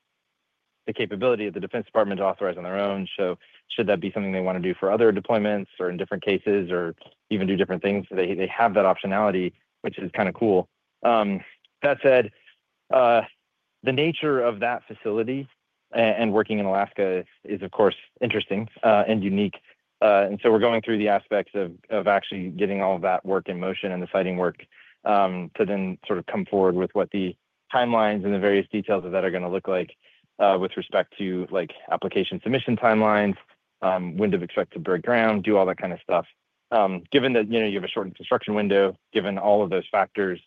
the capability of the Defense Department to authorize on their own. Should that be something they want to do for other deployments or in different cases or even do different things, they have that optionality, which is kind of cool. That said, the nature of that facility and working in Alaska is, of course, interesting and unique. We're going through the aspects of actually getting all of that work in motion and the siting work to then come forward with what the timelines and the various details of that are going to look like with respect to application submission timelines, when to expect to break ground, do all that kind of stuff. Given that you have a short construction window, given all of those factors,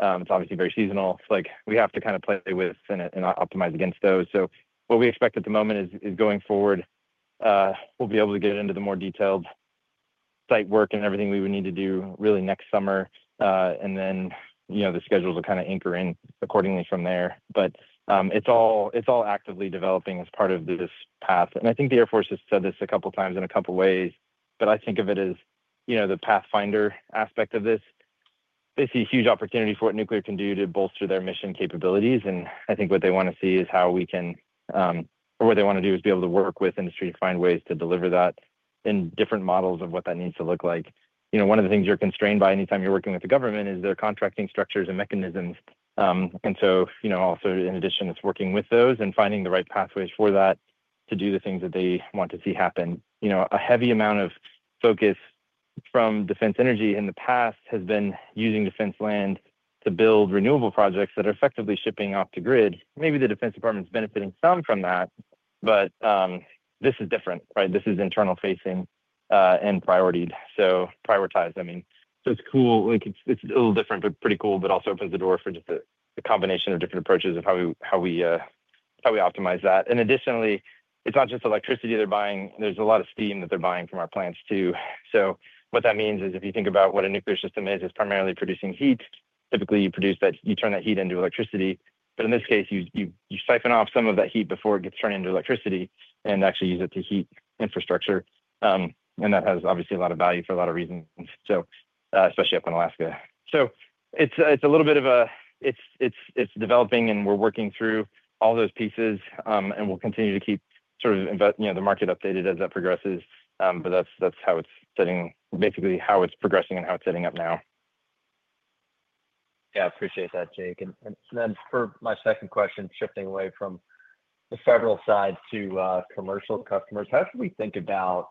it's obviously very seasonal. We have to kind of play with and optimize against those. What we expect at the moment is going forward, we'll be able to get into the more detailed site work and everything we would need to do really next summer. The schedules will kind of anchor in accordingly from there. It's all actively developing as part of this path. I think the Air Force has said this a couple of times in a couple of ways, but I think of it as the pathfinder aspect of this. They see a huge opportunity for what nuclear can do to bolster their mission capabilities. What they want to see is how we can, or what they want to do is be able to work with industry to find ways to deliver that in different models of what that needs to look like. One of the things you're constrained by anytime you're working with the government is their contracting structures and mechanisms. You know, also in addition, it's working with those and finding the right pathways for that to do the things that they want to see happen. A heavy amount of focus from defense energy in the past has been using defense land to build renewable projects that are effectively shipping off the grid. Maybe the Defense Department is benefiting some from that, but this is different, right? This is internal-facing and priorities. Prioritized, I mean. It's cool. It's a little different, but pretty cool, and also opens the door for just the combination of different approaches of how we optimize that. Additionally, it's not just electricity they're buying. There's a lot of steam that they're buying from our plants too. What that means is if you think about what a nuclear system is, it's primarily producing heat. Typically, you produce that, you turn that heat into electricity. In this case, you siphon off some of that heat before it gets turned into electricity and actually use it to heat infrastructure. That has obviously a lot of value for a lot of reasons, especially up in Alaska. It's a little bit of a, it's developing and we're working through all those pieces. We'll continue to keep the market updated as that progresses. That's how it's setting, basically how it's progressing and how it's setting up now. I appreciate that, Jacob. For my second question, shifting away from the federal side to commercial customers, how do we think about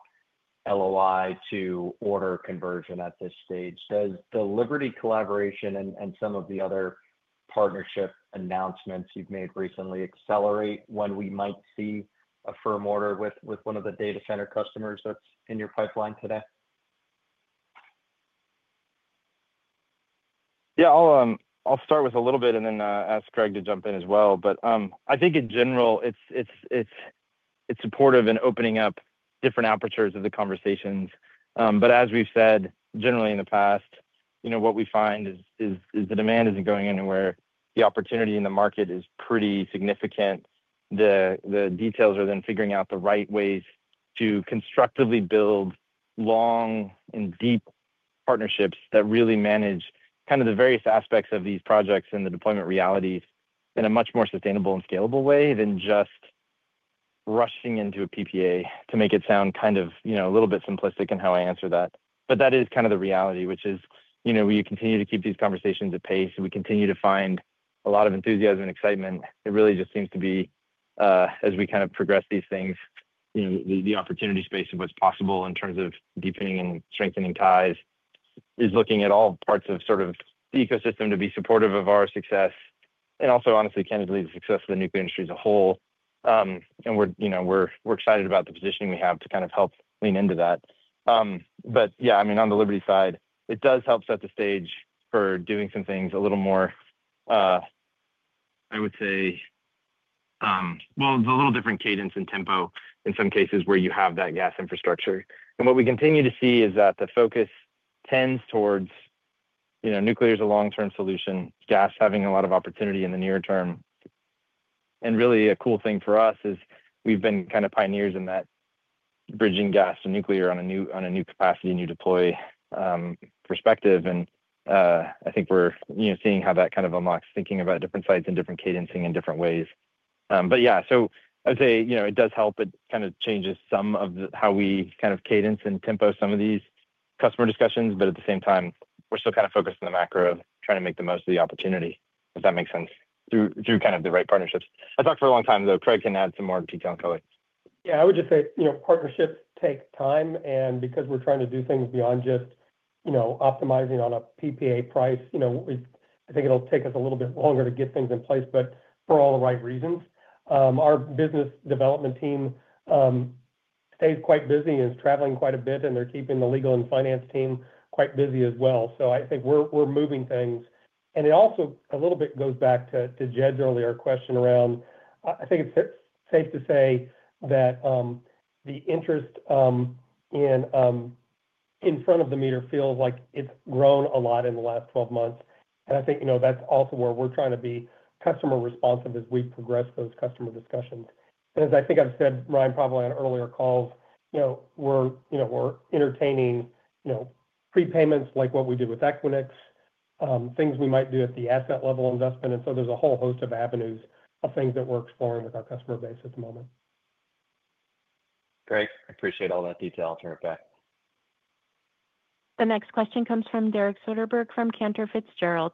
LOI to order conversion at this stage? Does the Liberty collaboration and some of the other partnership announcements you've made recently accelerate when we might see a firm order with one of the data center customers that's in your pipeline today? Yeah, I'll start with a little bit and then ask Craig to jump in as well. I think in general, it's supportive in opening up different apertures of the conversations. As we've said generally in the past, what we find is the demand isn't going anywhere. The opportunity in the market is pretty significant. The details are then figuring out the right ways to constructively build long and deep partnerships that really manage the various aspects of these projects and the deployment realities in a much more sustainable and scalable way than just rushing into a PPA to make it sound kind of, you know, a little bit simplistic in how I answer that. That is kind of the reality, which is, we continue to keep these conversations at pace. We continue to find a lot of enthusiasm and excitement. It really just seems to be, as we progress these things, the opportunity space of what's possible in terms of deepening and strengthening ties is looking at all parts of the ecosystem to be supportive of our success. Also, honestly, candidly, the success of the nuclear industry as a whole. We're excited about the positioning we have to help lean into that. On the Liberty side, it does help set the stage for doing some things a little more, I would say, it's a little different cadence and tempo in some cases where you have that gas infrastructure. What we continue to see is that the focus tends towards nuclear as a long-term solution, gas having a lot of opportunity in the near term. A cool thing for us is we've been pioneers in that bridging gas to nuclear on a new capacity and new deploy perspective. I think we're seeing how that unlocks thinking about different sites and different cadencing in different ways. It does help. It kind of changes some of how we cadence and tempo some of these customer discussions. At the same time, we're still focused on the macro of trying to make the most of the opportunity, if that makes sense, through the right partnerships. I talked for a long time, though Craig can add some more detail going. Yeah, I would just say, you know, partnerships take time. Because we're trying to do things beyond just, you know, optimizing on a PPA price, I think it'll take us a little bit longer to get things in place. For all the right reasons, our business development team stays quite busy and is traveling quite a bit. They're keeping the legal and finance team quite busy as well. I think we're moving things. It also a little bit goes back to Jed's earlier question around, I think it's safe to say that the interest in front of the meter feels like it's grown a lot in the last 12 months. I think that's also where we're trying to be customer responsive as we progress those customer discussions. As I think I've said, Ryan, probably on earlier calls, we're entertaining prepayments like what we did with Equinix, things we might do at the asset level investment. There's a whole host of avenues of things that we're exploring with our customer base at the moment. Great. I appreciate all that detail. I'll turn it back. The next question comes from Derek Soderberg from Cantor Fitzgerald.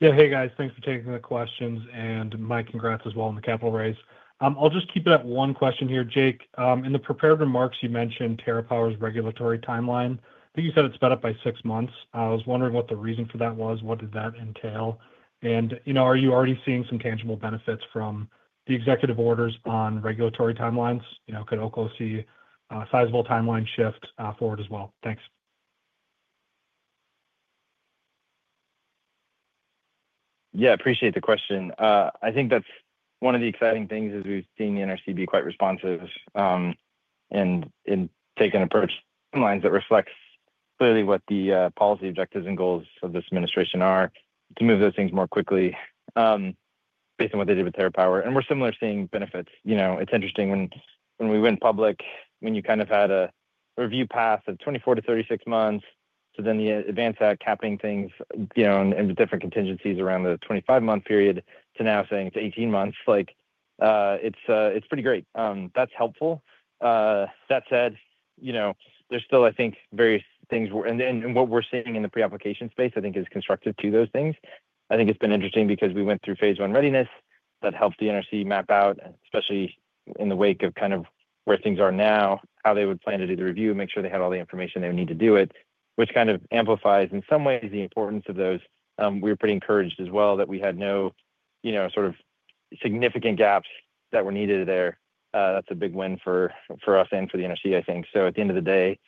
Yeah, hey guys, thanks for taking the questions and my congrats as well on the capital raise. I'll just keep it at one question here, Jacob. In the prepared remarks, you mentioned TerraPower's regulatory timeline. I think you said it's sped up by six months. I was wondering what the reason for that was, what did that entail? You know, are you already seeing some tangible benefits from the executive orders on regulatory timelines? You know, could Oklo see a sizable timeline shift forward as well? Thanks. Yeah, I appreciate the question. I think that's one of the exciting things is we've seen the NRC be quite responsive and take an approach in lines that reflects clearly what the policy objectives and goals of this administration are to move those things more quickly based on what they did with TerraPower. We're similarly seeing benefits. You know, it's interesting when we went public, when you kind of had a review path of 24-36 months, so then the advance at capping things, you know, and different contingencies around the 25-month period to now saying it's 18 months, like, it's pretty great. That's helpful. That said, you know, there's still, I think, various things and what we're seeing in the pre-application space, I think, is constructive to those things. I think it's been interesting because we went through phase one readiness that helped the NRC map out, and especially in the wake of kind of where things are now, how they would plan to do the review, make sure they had all the information they would need to do it, which kind of amplifies in some ways the importance of those. We were pretty encouraged as well that we had no, you know, sort of significant gaps that were needed there. That's a big win for us and for the NRC, I think. At the end of the day,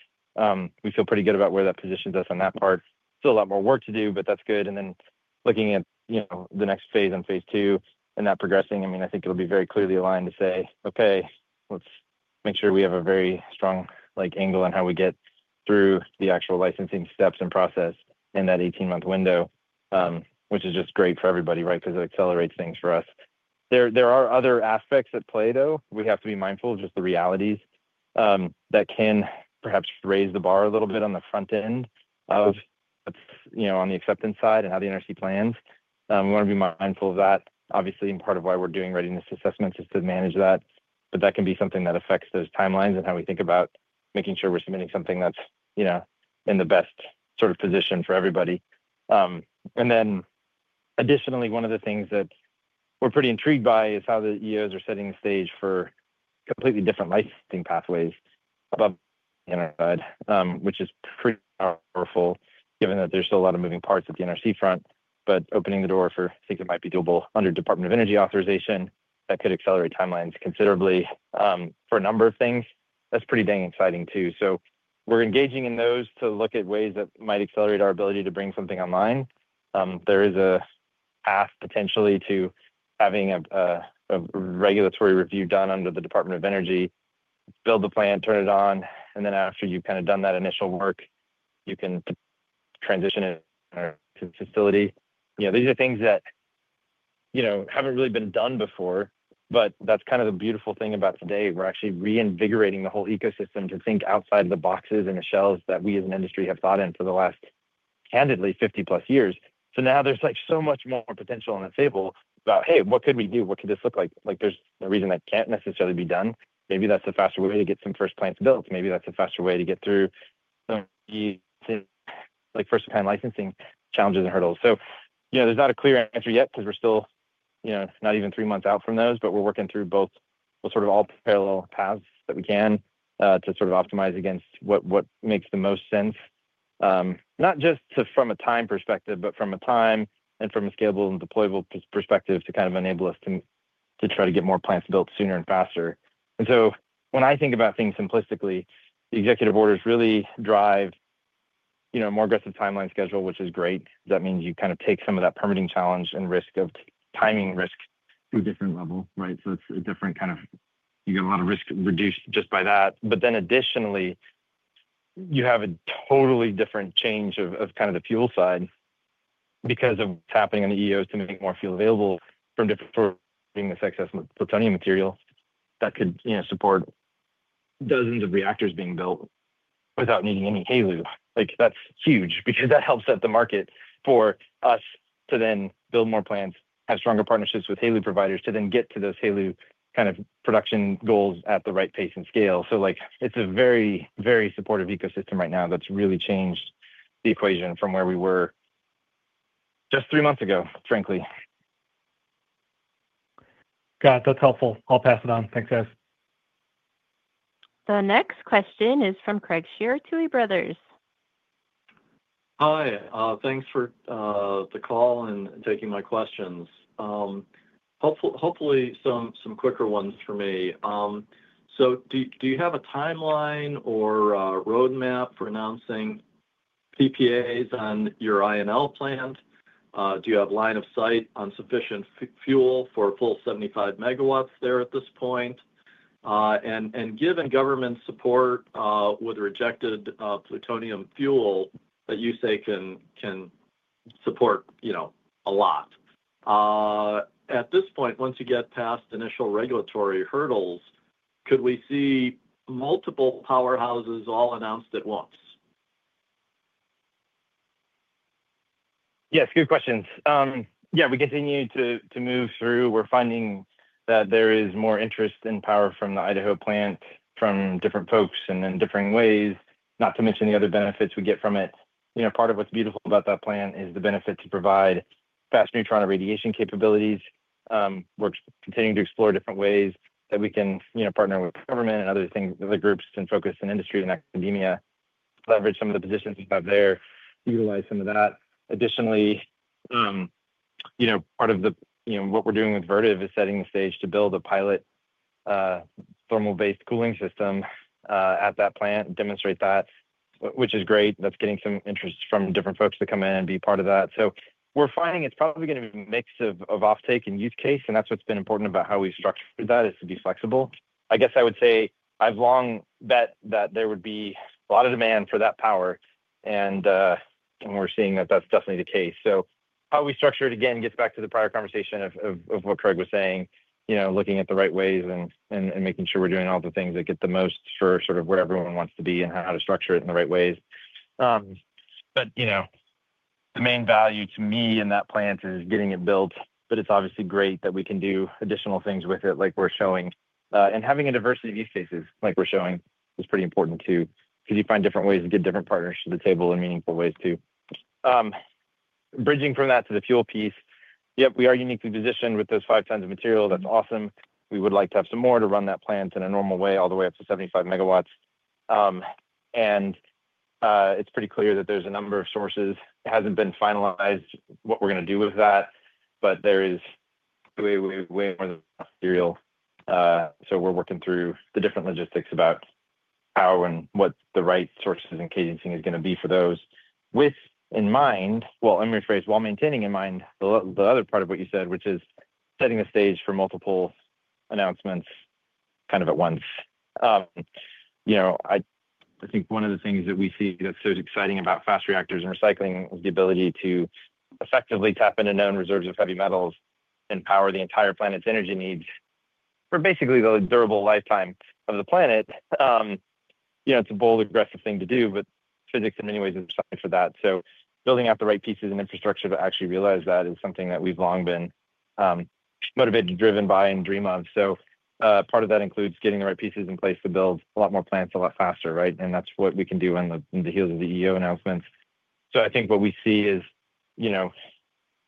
we feel pretty good about where that positions us on that part. Still a lot more work to do, but that's good. Looking at the next phase and phase two and that progressing, I mean, I think it'll be very clearly aligned to say, okay, let's make sure we have a very strong like angle on how we get through the actual licensing steps and process in that 18-month window, which is just great for everybody, right? Because it accelerates things for us. There are other aspects at play, though, we have to be mindful of just the realities, that can perhaps raise the bar a little bit on the front end of, you know, on the acceptance side and how the NRC plans. We want to be mindful of that. Obviously, in part of why we're doing readiness assessments is to manage that. That can be something that affects those timelines and how we think about making sure we're submitting something that's, you know, in the best sort of position for everybody. Additionally, one of the things that we're pretty intrigued by is how the executive orders are setting the stage for completely different licensing pathways above the NRC side, which is pretty powerful given that there's still a lot of moving parts at the NRC front. Opening the door for things that might be doable under Department of Energy authorization could accelerate timelines considerably for a number of things. That's pretty dang exciting too. We're engaging in those to look at ways that might accelerate our ability to bring something online. There is a path potentially to having a regulatory review done under the Department of Energy, build the plant, turn it on, and then after you've done that initial work, you can transition it to the facility. These are things that haven't really been done before, but that's kind of the beautiful thing about today. We're actually reinvigorating the whole ecosystem to think outside the boxes and the shells that we as an industry have thought in for the last, candidly, 50+ years. Now there's so much more potential on the table about, hey, what could we do? What could this look like? There's no reason that can't necessarily be done. Maybe that's the faster way to get some first plants built. Maybe that's the faster way to get through some of the things like first-time licensing challenges and hurdles. There's not a clear answer yet because we're still not even three months out from those, but we're working through all parallel paths that we can to optimize against what makes the most sense, not just from a time perspective, but from a time and from a scalable and deployable perspective to enable us to try to get more plants built sooner and faster. When I think about things simplistically, the executive orders really drive a more aggressive timeline schedule, which is great. That means you take some of that permitting challenge and timing risk to a different level, right? It's a different kind of, you get a lot of risk reduced just by that. Additionally, you have a totally different change on the fuel side because of what's happening in the executive orders to make more fuel available from being this excess plutonium material that could support dozens of reactors being built without needing any HALU. Like that's huge because that helps set the market for us to then build more plants, have stronger partnerships with HALU providers to then get to those HALU kind of production goals at the right pace and scale. It's a very, very supportive ecosystem right now that's really changed the equation from where we were just three months ago, frankly. Got it. That's helpful. I'll pass it on. Thanks, guys. The next question is from Craig Shere at Tuohy Brothers. Hi. Thanks for the call and taking my questions. Hopefully, some quicker ones for me. Do you have a timeline or roadmap for announcing PPAs on your Idaho National Laboratory plant? Do you have line of sight on sufficient fuel for a full 75 MW there at this point? Given government support with rejected plutonium fuel that you say can support a lot, at this point, once you get past initial regulatory hurdles, could we see multiple powerhouses all announced at once? Yes, good questions. Yeah, we continue to move through. We're finding that there is more interest in power from the Idaho plant, from different folks and in different ways, not to mention the other benefits we get from it. Part of what's beautiful about that plant is the benefit to provide fast neutron irradiation capabilities. We're continuing to explore different ways that we can partner with government and other groups and focus in industry and academia, leverage some of the positions we have there, utilize some of that. Additionally, part of what we're doing with Vertiv is setting the stage to build a pilot, thermal-based cooling system at that plant and demonstrate that, which is great. That's getting some interest from different folks to come in and be part of that. We're finding it's probably going to be a mix of offtake and use case, and that's what's been important about how we structure that is to be flexible. I guess I would say I've long bet that there would be a lot of demand for that power, and we're seeing that that's definitely the case. How we structure it, again, gets back to the prior conversation of what Craig was saying, looking at the right ways and making sure we're doing all the things that get the most for sort of where everyone wants to be and how to structure it in the right ways. The main value to me in that plant is getting it built, but it's obviously great that we can do additional things with it like we're showing, and having a diversity of use cases like we're showing is pretty important too, because you find different ways to get different partners to the table in meaningful ways too. Bridging from that to the fuel piece, yep, we are uniquely positioned with those five tons of material. That's awesome. We would like to have some more to run that plant in a normal way all the way up to 75 MW. It's pretty clear that there's a number of sources. It hasn't been finalized what we're going to do with that, but there is way, way, way more material. We're working through the different logistics about how and what the right sources and cadencing is going to be for those with in mind, let me rephrase, while maintaining in mind the other part of what you said, which is setting the stage for multiple announcements kind of at once. You know, I think one of the things that we see that's so exciting about fast reactors and recycling is the ability to effectively tap into known reserves of heavy metals and power the entire planet's energy needs for basically the durable lifetime of the planet. It's a bold, aggressive thing to do, but physics in many ways is designed for that. Building out the right pieces and infrastructure to actually realize that is something that we've long been motivated, driven by, and dream of. Part of that includes getting the right pieces in place to build a lot more plants a lot faster, right? That's what we can do in the heels of the EO announcements. I think what we see is, you know,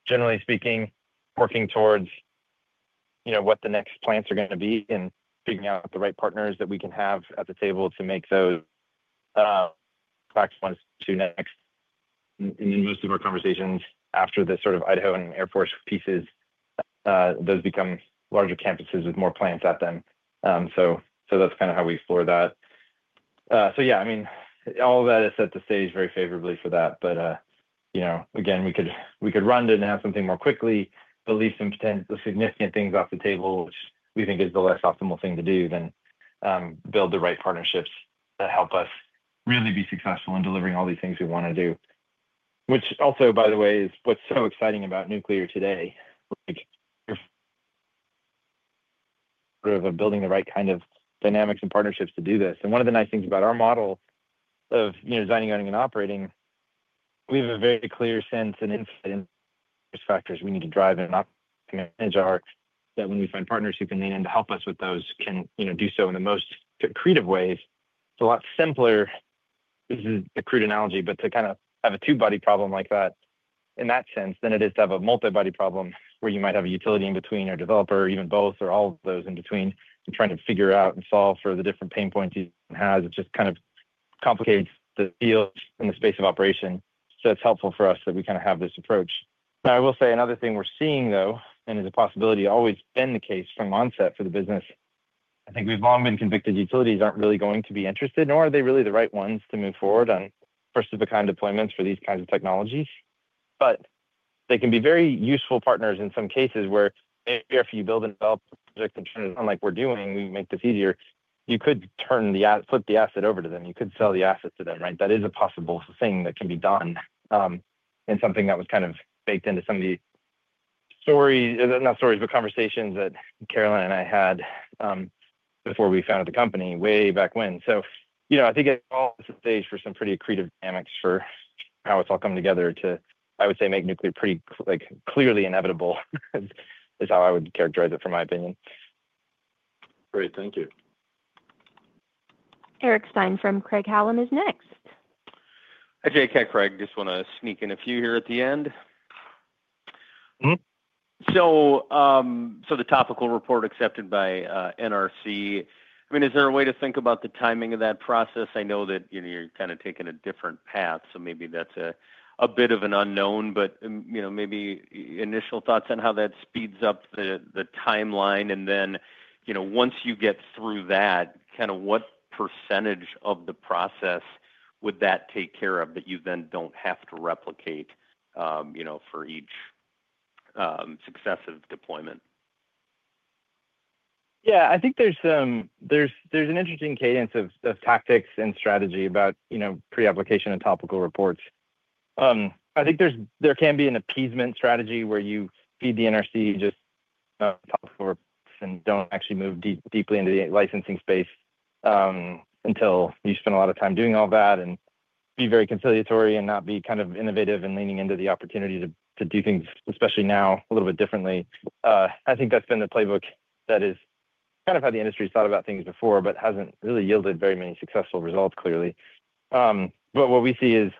generally speaking. Working Towards what the next plants are going to be and figuring out the right partners that we can have at the table to make those next. In most of our conversations after this sort of Idaho and Air Force pieces, those become larger campuses with more plants at them. That's kind of how we explore that. All of that has set the stage very favorably for that. You know, we could run to have something more quickly, but leave some potential significant things off the table, which we think is the less optimal thing to do than build the right partnerships that help us really be successful in delivering all these things we want to do, which also, by the way, is what's so exciting about nuclear today. You're sort of building the right kind of dynamics and partnerships to do this. One of the nice things about our model of designing, owning, and operating, we have a very clear sense and insight into factors we need to drive and not manage that. When we find partners who can lean in to help us with those, can do so in the most creative ways. It's a lot simpler. This is a crude analogy, but to kind of have a two-body problem like that in that sense than it is to have a multi-body problem where you might have a utility in between or developer, or even both, or all of those in between and trying to figure out and solve for the different pain points you have. It just kind of complicates the field and the space of operation. It's helpful for us that we kind of have this approach. I will say another thing we're seeing, though, and is a possibility always been the case from onset for the business. I think we've long been convicted utilities aren't really going to be interested, nor are they really the right ones to move forward on first of a kind deployments for these kinds of technologies. They can be very useful partners in some cases where if you build and develop a project that's unlike we're doing, we make this easier. You could turn the asset, flip the asset over to them. You could sell the asset to them. That is a possible thing that can be done and something that was kind of baked into some of the conversations that Carolyn and I had before we founded the company way back when. I think it all sets the stage for some pretty creative dynamics for how it's all come together to, I would say, make nuclear pretty clearly inevitable. That's how I would characterize it from my opinion. Great. Thank you. Eric Stine from Craig-Hallum is next. I think Craig just wants to sneak in a few here at the end. The topical report accepted by the NRC, is there a way to think about the timing of that process? I know that you're kind of taking a different path, so maybe that's a bit of an unknown, but maybe initial thoughts on how that speeds up the timeline. Once you get through that, what percentage of the process would that take care of that you then don't have to replicate for each successive deployment? Yeah, I think there's an interesting cadence of tactics and strategy about, you know, pre-application and topical reports. I think there can be an appeasement strategy where you feed the NRC just topical reports and don't actually move deeply into the licensing space until you spend a lot of time doing all that and be very conciliatory and not be kind of innovative and leaning into the opportunity to do things, especially now, a little bit differently. That's been the playbook that is kind of how the industry has thought about things before, but hasn't really yielded very many successful results, clearly. What we see is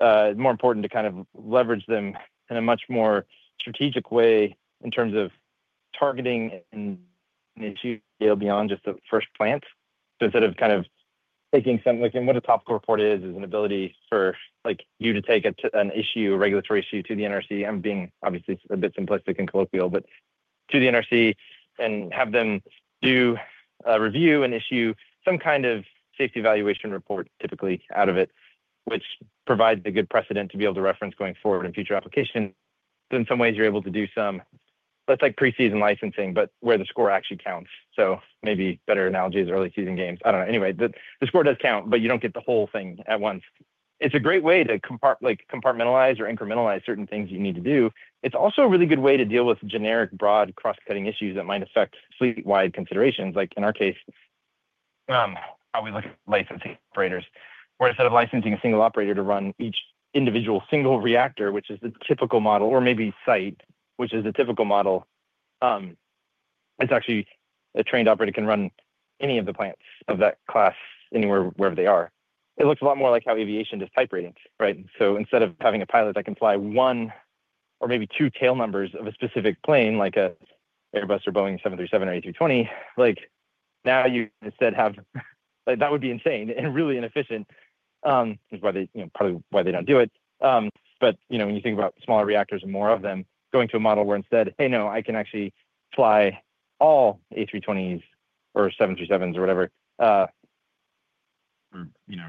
more important to kind of leverage them in a much more strategic way in terms of targeting an issue beyond just the first plant. Instead of kind of thinking something like what a topical report is, is an ability for you to take an issue, a regulatory issue to the NRC, I'm being obviously a bit simplistic and colloquial, but to the NRC and have them do a review and issue some kind of safety evaluation report typically out of it, which provides a good precedent to be able to reference going forward in future application. In some ways, you're able to do some, let's say, preseason licensing, but where the score actually counts. Maybe a better analogy is early season games. I don't know. Anyway, the score does count, but you don't get the whole thing at once. It's a great way to compartmentalize or incrementalize certain things you need to do. It's also a really good way to deal with generic, broad, cross-cutting issues that might affect fleet-wide considerations, like in our case, how we look at licensing operators, where instead of licensing a single operator to run each individual single reactor, which is the typical model, or maybe site, which is the typical model, it's actually a trained operator can run any of the plants of that class anywhere, wherever they are. It looks a lot more like how aviation does piloting. Right. Instead of having a pilot that can fly one or maybe two tail numbers of a specific plane, like an Airbus or Boeing 737 or A320, now you instead have, like that would be insane and really inefficient. That's probably why they don't do it. When you think about smaller reactors and more of them going to a model where instead, hey, no, I can actually fly all A320s or 737s or whatever, or, you know,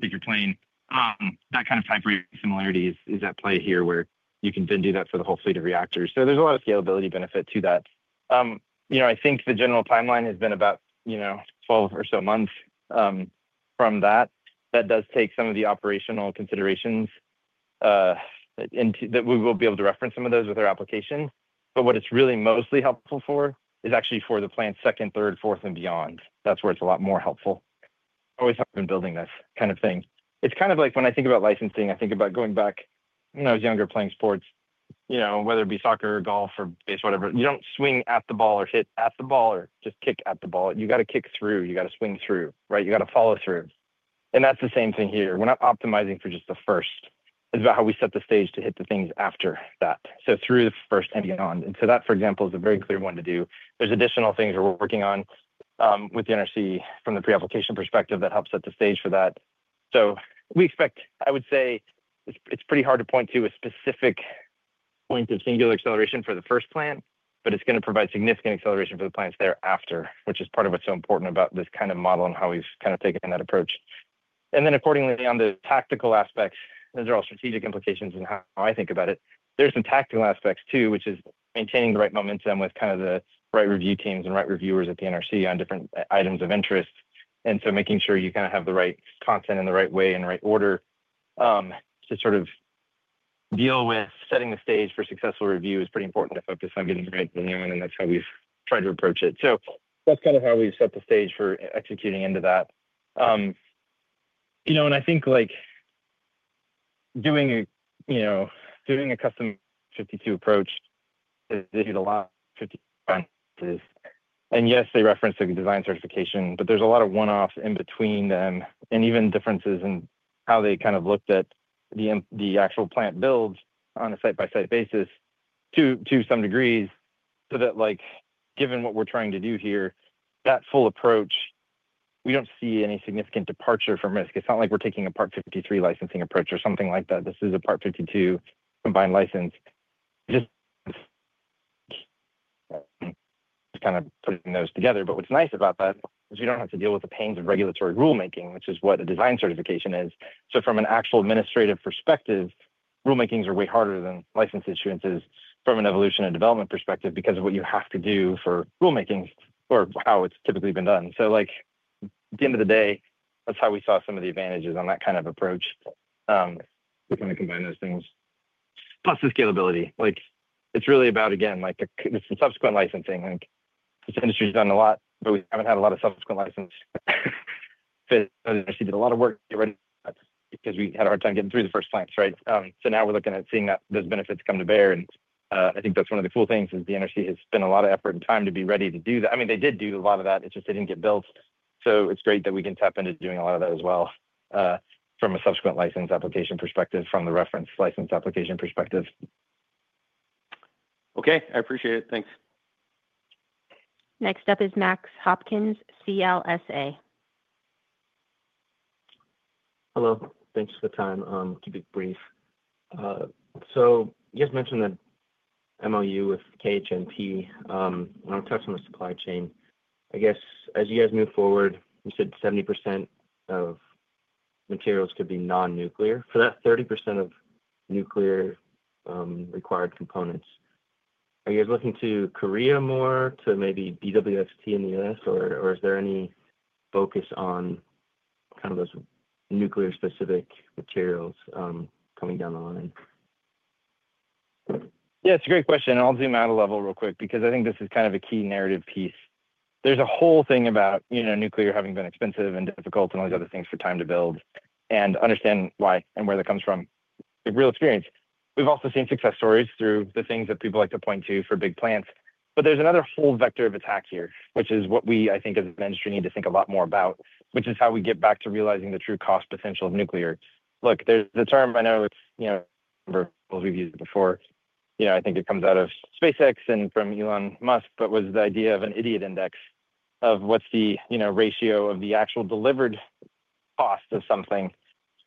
bigger plane, that kind of hybrid similarities is at play here where you can then do that for the whole fleet of reactors. There is a lot of scalability benefit to that. I think the general timeline has been about 12 or so months from that. That does take some of the operational considerations that we will be able to reference some of those with our application. What it's really mostly helpful for is actually for the plant second, third, fourth, and beyond. That's where it's a lot more helpful. I always have been building this kind of thing. It's kind of like when I think about licensing, I think about going back when I was younger, playing sports, whether it be soccer or golf or baseball, whatever, you don't swing at the ball or hit at the ball or just kick at the ball. You got to kick through. You got to swing through. Right. You got to follow through. That's the same thing here. We're not optimizing for just the first. It's about how we set the stage to hit the things after that. Through the first and beyond. That, for example, is a very clear one to do. There are additional things we're working on with the NRC from the pre-application perspective that helps set the stage for that. We expect, I would say, it's pretty hard to point to a specific length of singular acceleration for the first plant, but it's going to provide significant acceleration for the plants thereafter, which is part of what's so important about this kind of model and how we've kind of taken that approach. Accordingly, on the tactical aspects, those are all strategic implications in how I think about it. There are some tactical aspects too, which is maintaining the right momentum with kind of the right review teams and right reviewers at the NRC on different items of interest. Making sure you kind of have the right content in the right way and the right order to sort of deal with setting the stage for successful review is pretty important to focus on getting right. That's how we've tried to approach it. That's kind of how we've set the stage for executing into that. I think like doing a, you know, doing a custom 52 approach is a lot of 52. Yes, they reference the design certification, but there's a lot of one-offs in between them and even differences in how they kind of looked at the actual plant build on a site-by-site basis to some degrees. Given what we're trying to do here, that full approach, we don't see any significant departure from risk. It's not like we're taking a part 53 licensing approach or something like that. This is a part 52 combined license, just kind of putting those together. What's nice about that is we don't have to deal with the pains of regulatory rulemaking, which is what a design certification is. From an actual administrative perspective, rulemaking is way harder than license issuance is from an evolution and development perspective because of what you have to do for rulemaking or how it's typically been done. At the end of the day, that's how we saw some of the advantages on that kind of approach. We kind of combine those things. Plus the scalability, it's really about, again, the subsequent licensing. This industry has done a lot, but we haven't had a lot of subsequent license. She did a lot of work already because we had a hard time getting through the first plants. Right now we're looking at seeing that those benefits come to bear. I think that's one of the cool things is the NRC has spent a lot of effort and time to be ready to do that. They did do a lot of that. It's just they didn't get built. It's great that we can tap into doing a lot of that as well from a subsequent license application perspective, from the reference license application perspective. Okay, I appreciate it. Thanks. Next up is Max Hopkins, CLSA. Hello. Thanks for the time. I'll keep it brief. You guys mentioned the MOU with Korea Hydro & Nuclear Power. I want to touch on the supply chain. As you guys move forward, you said 70% of materials could be non-nuclear. For that 30% of nuclear required components, are you guys looking to Korea more, maybe BWXT in the U.S., or is there any focus on those nuclear-specific materials coming down the line? Yeah, it's a great question. I'll zoom out a level real quick because I think this is kind of a key narrative piece. There's a whole thing about, you know, nuclear having been expensive and difficult and all these other things for time to build and understand why and where that comes from. The real experience. We've also seen success stories through the things that people like to point to for big plants. There's another whole vector of attack here, which is what we, I think as an industry, need to think a lot more about, which is how we get back to realizing the true cost potential of nuclear. Look, there's the term I know, you know, we've used before. I think it comes out of SpaceX and from Elon Musk, but was the idea of an idiot index of what's the, you know, ratio of the actual delivered cost of something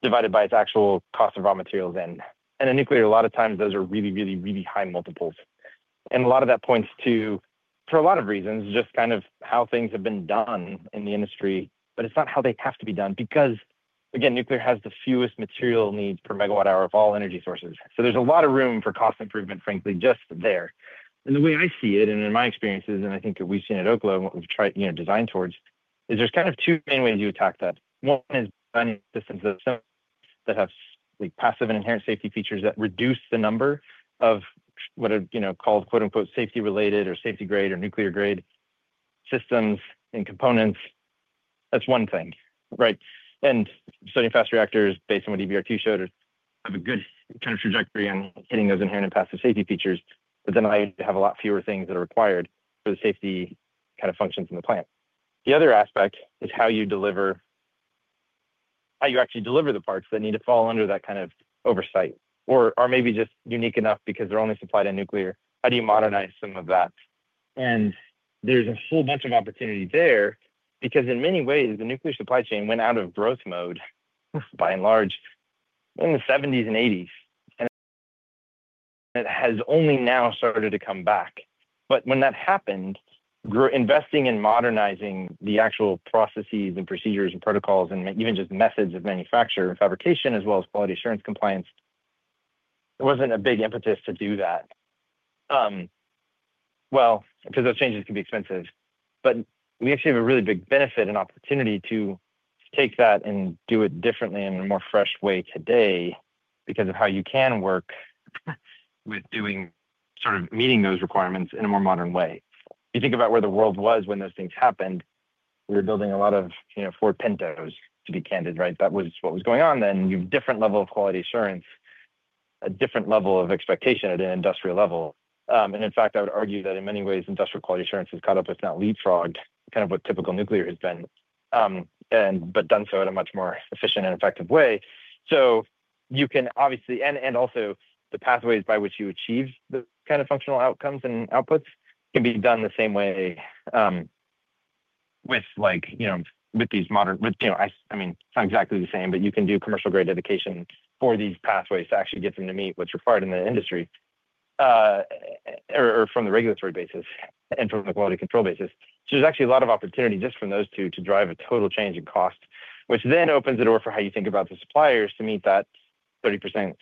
divided by its actual cost of raw materials in. In nuclear, a lot of times those are really, really, really high multiples. A lot of that points to, for a lot of reasons, just kind of how things have been done in the industry. It's not how they have to be done because, again, nuclear has the fewest material needs per megawatt hour of all energy sources. There's a lot of room for cost improvement, frankly, just there. The way I see it, and in my experiences, and I think we've seen at Oklo and what we've tried, you know, designed towards, is there's kind of two main ways you attack that. One is designing systems that have passive and inherent safety features that reduce the number of what are called "safety related" or "safety grade" or "nuclear grade" systems and components. That's one thing, right? Starting fast reactors based on what EBR2 showed have a good kind of trajectory on hitting those inherent and passive safety features. Then I have a lot fewer things that are required for the safety kind of functions in the plant. The other aspect is how you deliver, how you actually deliver the parts that need to fall under that kind of oversight or are maybe just unique enough because they're only supplied in nuclear. How do you modernize some of that? There's a whole bunch of opportunity there because in many ways, the nuclear supply chain went out of growth mode by and large in the 1970s and 1980s. It has only now started to come back. When that happened, investing in modernizing the actual processes and procedures and protocols and even just methods of manufacture and fabrication, as well as quality assurance compliance, there wasn't a big impetus to do that because those changes can be expensive. We actually have a really big benefit and opportunity to take that and do it differently in a more fresh way today because of how you can work with doing sort of meeting those requirements in a more modern way. If you think about where the world was when those things happened, we were building a lot of, you know, Ford Pintos, to be candid, right? That was what was going on then. You have a different level of quality assurance, a different level of expectation at an industrial level. In fact, I would argue that in many ways, industrial quality assurance has caught up, if not leapfrogged, kind of what typical nuclear has been, but done so in a much more efficient and effective way. You can obviously, and also the pathways by which you achieve the kind of functional outcomes and outputs can be done the same way with, like, you know, with these modern, you know, I mean, it's not exactly the same, but you can do commercial-grade dedication for these pathways to actually get them to meet what's required in the industry or from the regulatory basis and from the quality control basis. There's actually a lot of opportunity just from those two to drive a total change in cost, which then opens the door for how you think about the suppliers to meet that 30%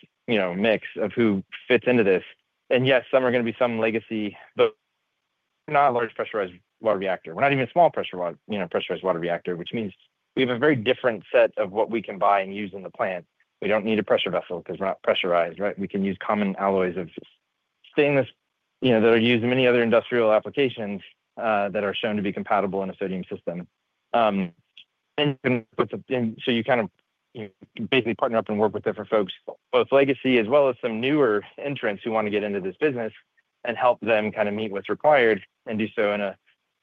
mix of who fits into this. Yes, some are going to be some legacy, but not a large pressurized water reactor. We're not even a small pressurized water reactor, which means we have a very different set of what we can buy and use in the plant. We don't need a pressure vessel because we're not pressurized, right? We can use common alloys of stainless that are used in many other industrial applications that are shown to be compatible in a sodium system. You kind of basically partner up and work with different folks, both legacy as well as some newer entrants who want to get into this business and help them kind of meet what's required and do so in a,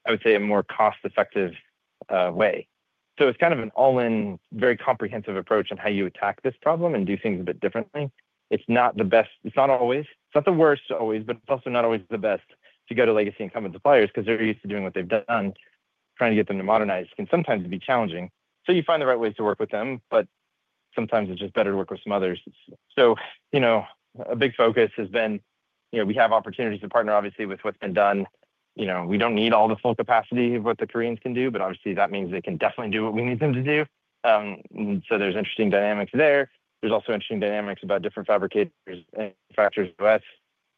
I would say, a more cost-effective way. It's kind of an all-in, very comprehensive approach in how you attack this problem and do things a bit differently. It's not the best, it's not always, it's not the worst always, but it's also not always the best to go to legacy incumbent suppliers because they're used to doing what they've done. Trying to get them to modernize can sometimes be challenging. You find the right ways to work with them, but sometimes it's just better to work with some others. A big focus has been, we have opportunities to partner, obviously, with what's been done. We don't need all the full capacity of what the Koreans can do, but obviously that means they can definitely do what we need them to do. There's interesting dynamics there. There's also interesting dynamics about different fabricators and factories in the U.S.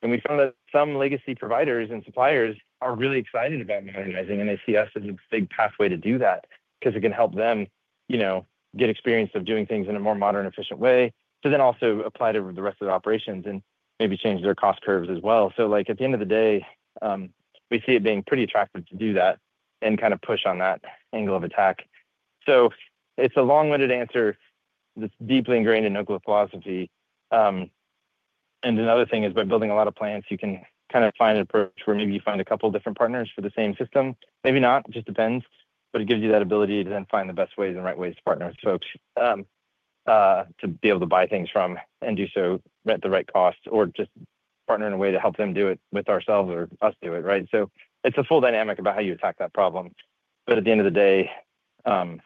We found that some legacy providers and suppliers are really excited about modernizing, and they see us as a big pathway to do that because it can help them get experience of doing things in a more modern, efficient way to then also apply to the rest of the operations and maybe change their cost curves as well. At the end of the day, we see it being pretty attractive to do that and kind of push on that angle of attack. It's a long-winded answer that's deeply ingrained in Oklo's philosophy. Another thing is by building a lot of plants, you can kind of find an approach where maybe you find a couple of different partners for the same system. Maybe not, it just depends, but it gives you that ability to then find the best ways and right ways to partner with folks to be able to buy things from and do so at the right cost or just partner in a way to help them do it with ourselves or us do it. It's a full dynamic about how you attack that problem. At the end of the day, it's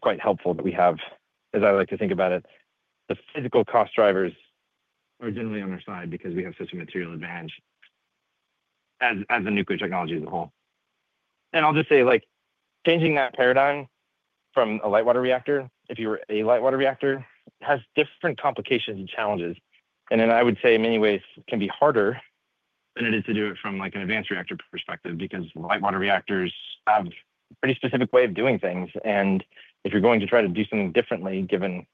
quite helpful that we have, as I like to think about it, the physical cost drivers are generally on our side because we have such a material advantage as a nuclear technology as a whole. I'll just say changing that paradigm from a light water reactor, if you were a light water reactor, has different complications and challenges. I would say in many ways can be harder than it is to do it from an advanced reactor perspective because light water reactors have a pretty specific way of doing things. If you're going to try to do something differently, given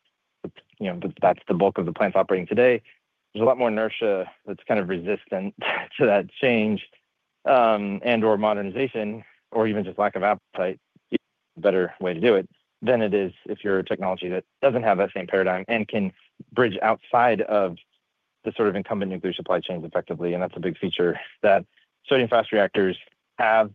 that that's the bulk of the plants operating today, there's a lot more inertia that's kind of resistant to that change or modernization or even just lack of appetite, a better way to do it than it is if you're a technology that doesn't have that same paradigm and can bridge outside of the sort of incumbent nuclear supply chains effectively. That's a big feature that sodium fast reactors have.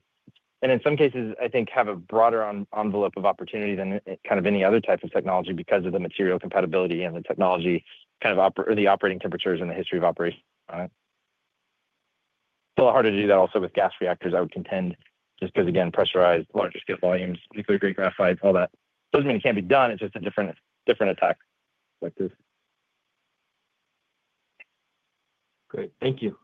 In some cases, I think they have a broader envelope of opportunity than kind of any other type of technology because of the material compatibility and the technology kind of operating temperatures and the history of operation on it. It's a little harder to do that also with gas reactors, I would contend, just because, again, pressurized, larger scale volumes, nuclear grade graphites, all that. It doesn't mean it can't be done. It's just a different attack perspective. Great, thank you.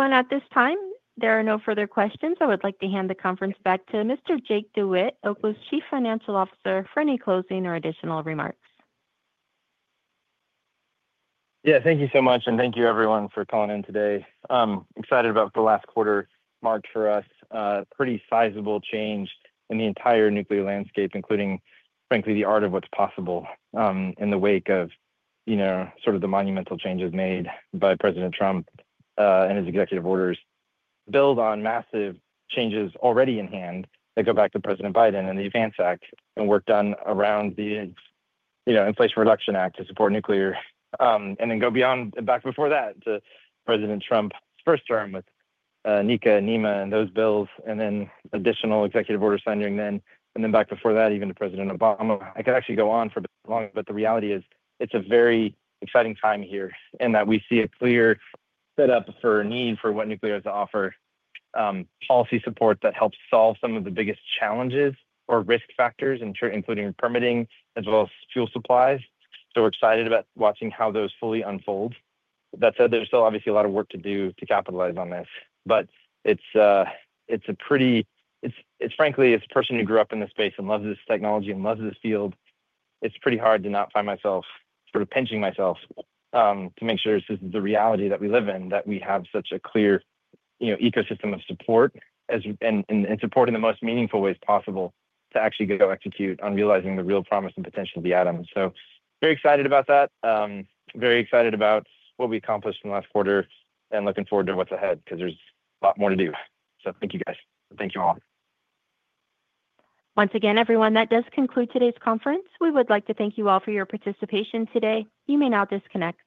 At this time, there are no further questions. I would like to hand the conference back to Mr. Jacob DeWitte, Oklo Inc.'s Chief Financial Officer, for any closing or additional remarks. Thank you so much. Thank you, everyone, for calling in today. I'm excited about the last quarter marked for us. A pretty sizable change in the entire nuclear landscape, including, frankly, the art of what's possible in the wake of the monumental changes made by President Trump and his executive orders built on massive changes already in hand that go back to President Biden and the Advance Act and work done around the Inflation Reduction Act to support nuclear. These go beyond and back before that to President Trump's first term with NECA, NEMA, and those bills, and additional executive orders signed then. Back before that, even to President Obama. I could actually go on for a bit longer, but the reality is it's a very exciting time here in that we see a clear setup for a need for what nuclear has to offer, policy support that helps solve some of the biggest challenges or risk factors, including permitting as well as fuel supplies. We're excited about watching how those fully unfold. That said, there's still obviously a lot of work to do to capitalize on this. It's frankly, as a person who grew up in this space and loves this technology and loves this field, it's pretty hard to not find myself sort of pinching myself to make sure this is the reality that we live in, that we have such a clear ecosystem of support and support in the most meaningful ways possible to actually go execute on realizing the real promise and potential of the atom. Very excited about that, very excited about what we accomplished in the last quarter and looking forward to what's ahead because there's a lot more to do. Thank you guys. Thank you all. Once again, everyone, that does conclude today's conference. We would like to thank you all for your participation today. You may now disconnect.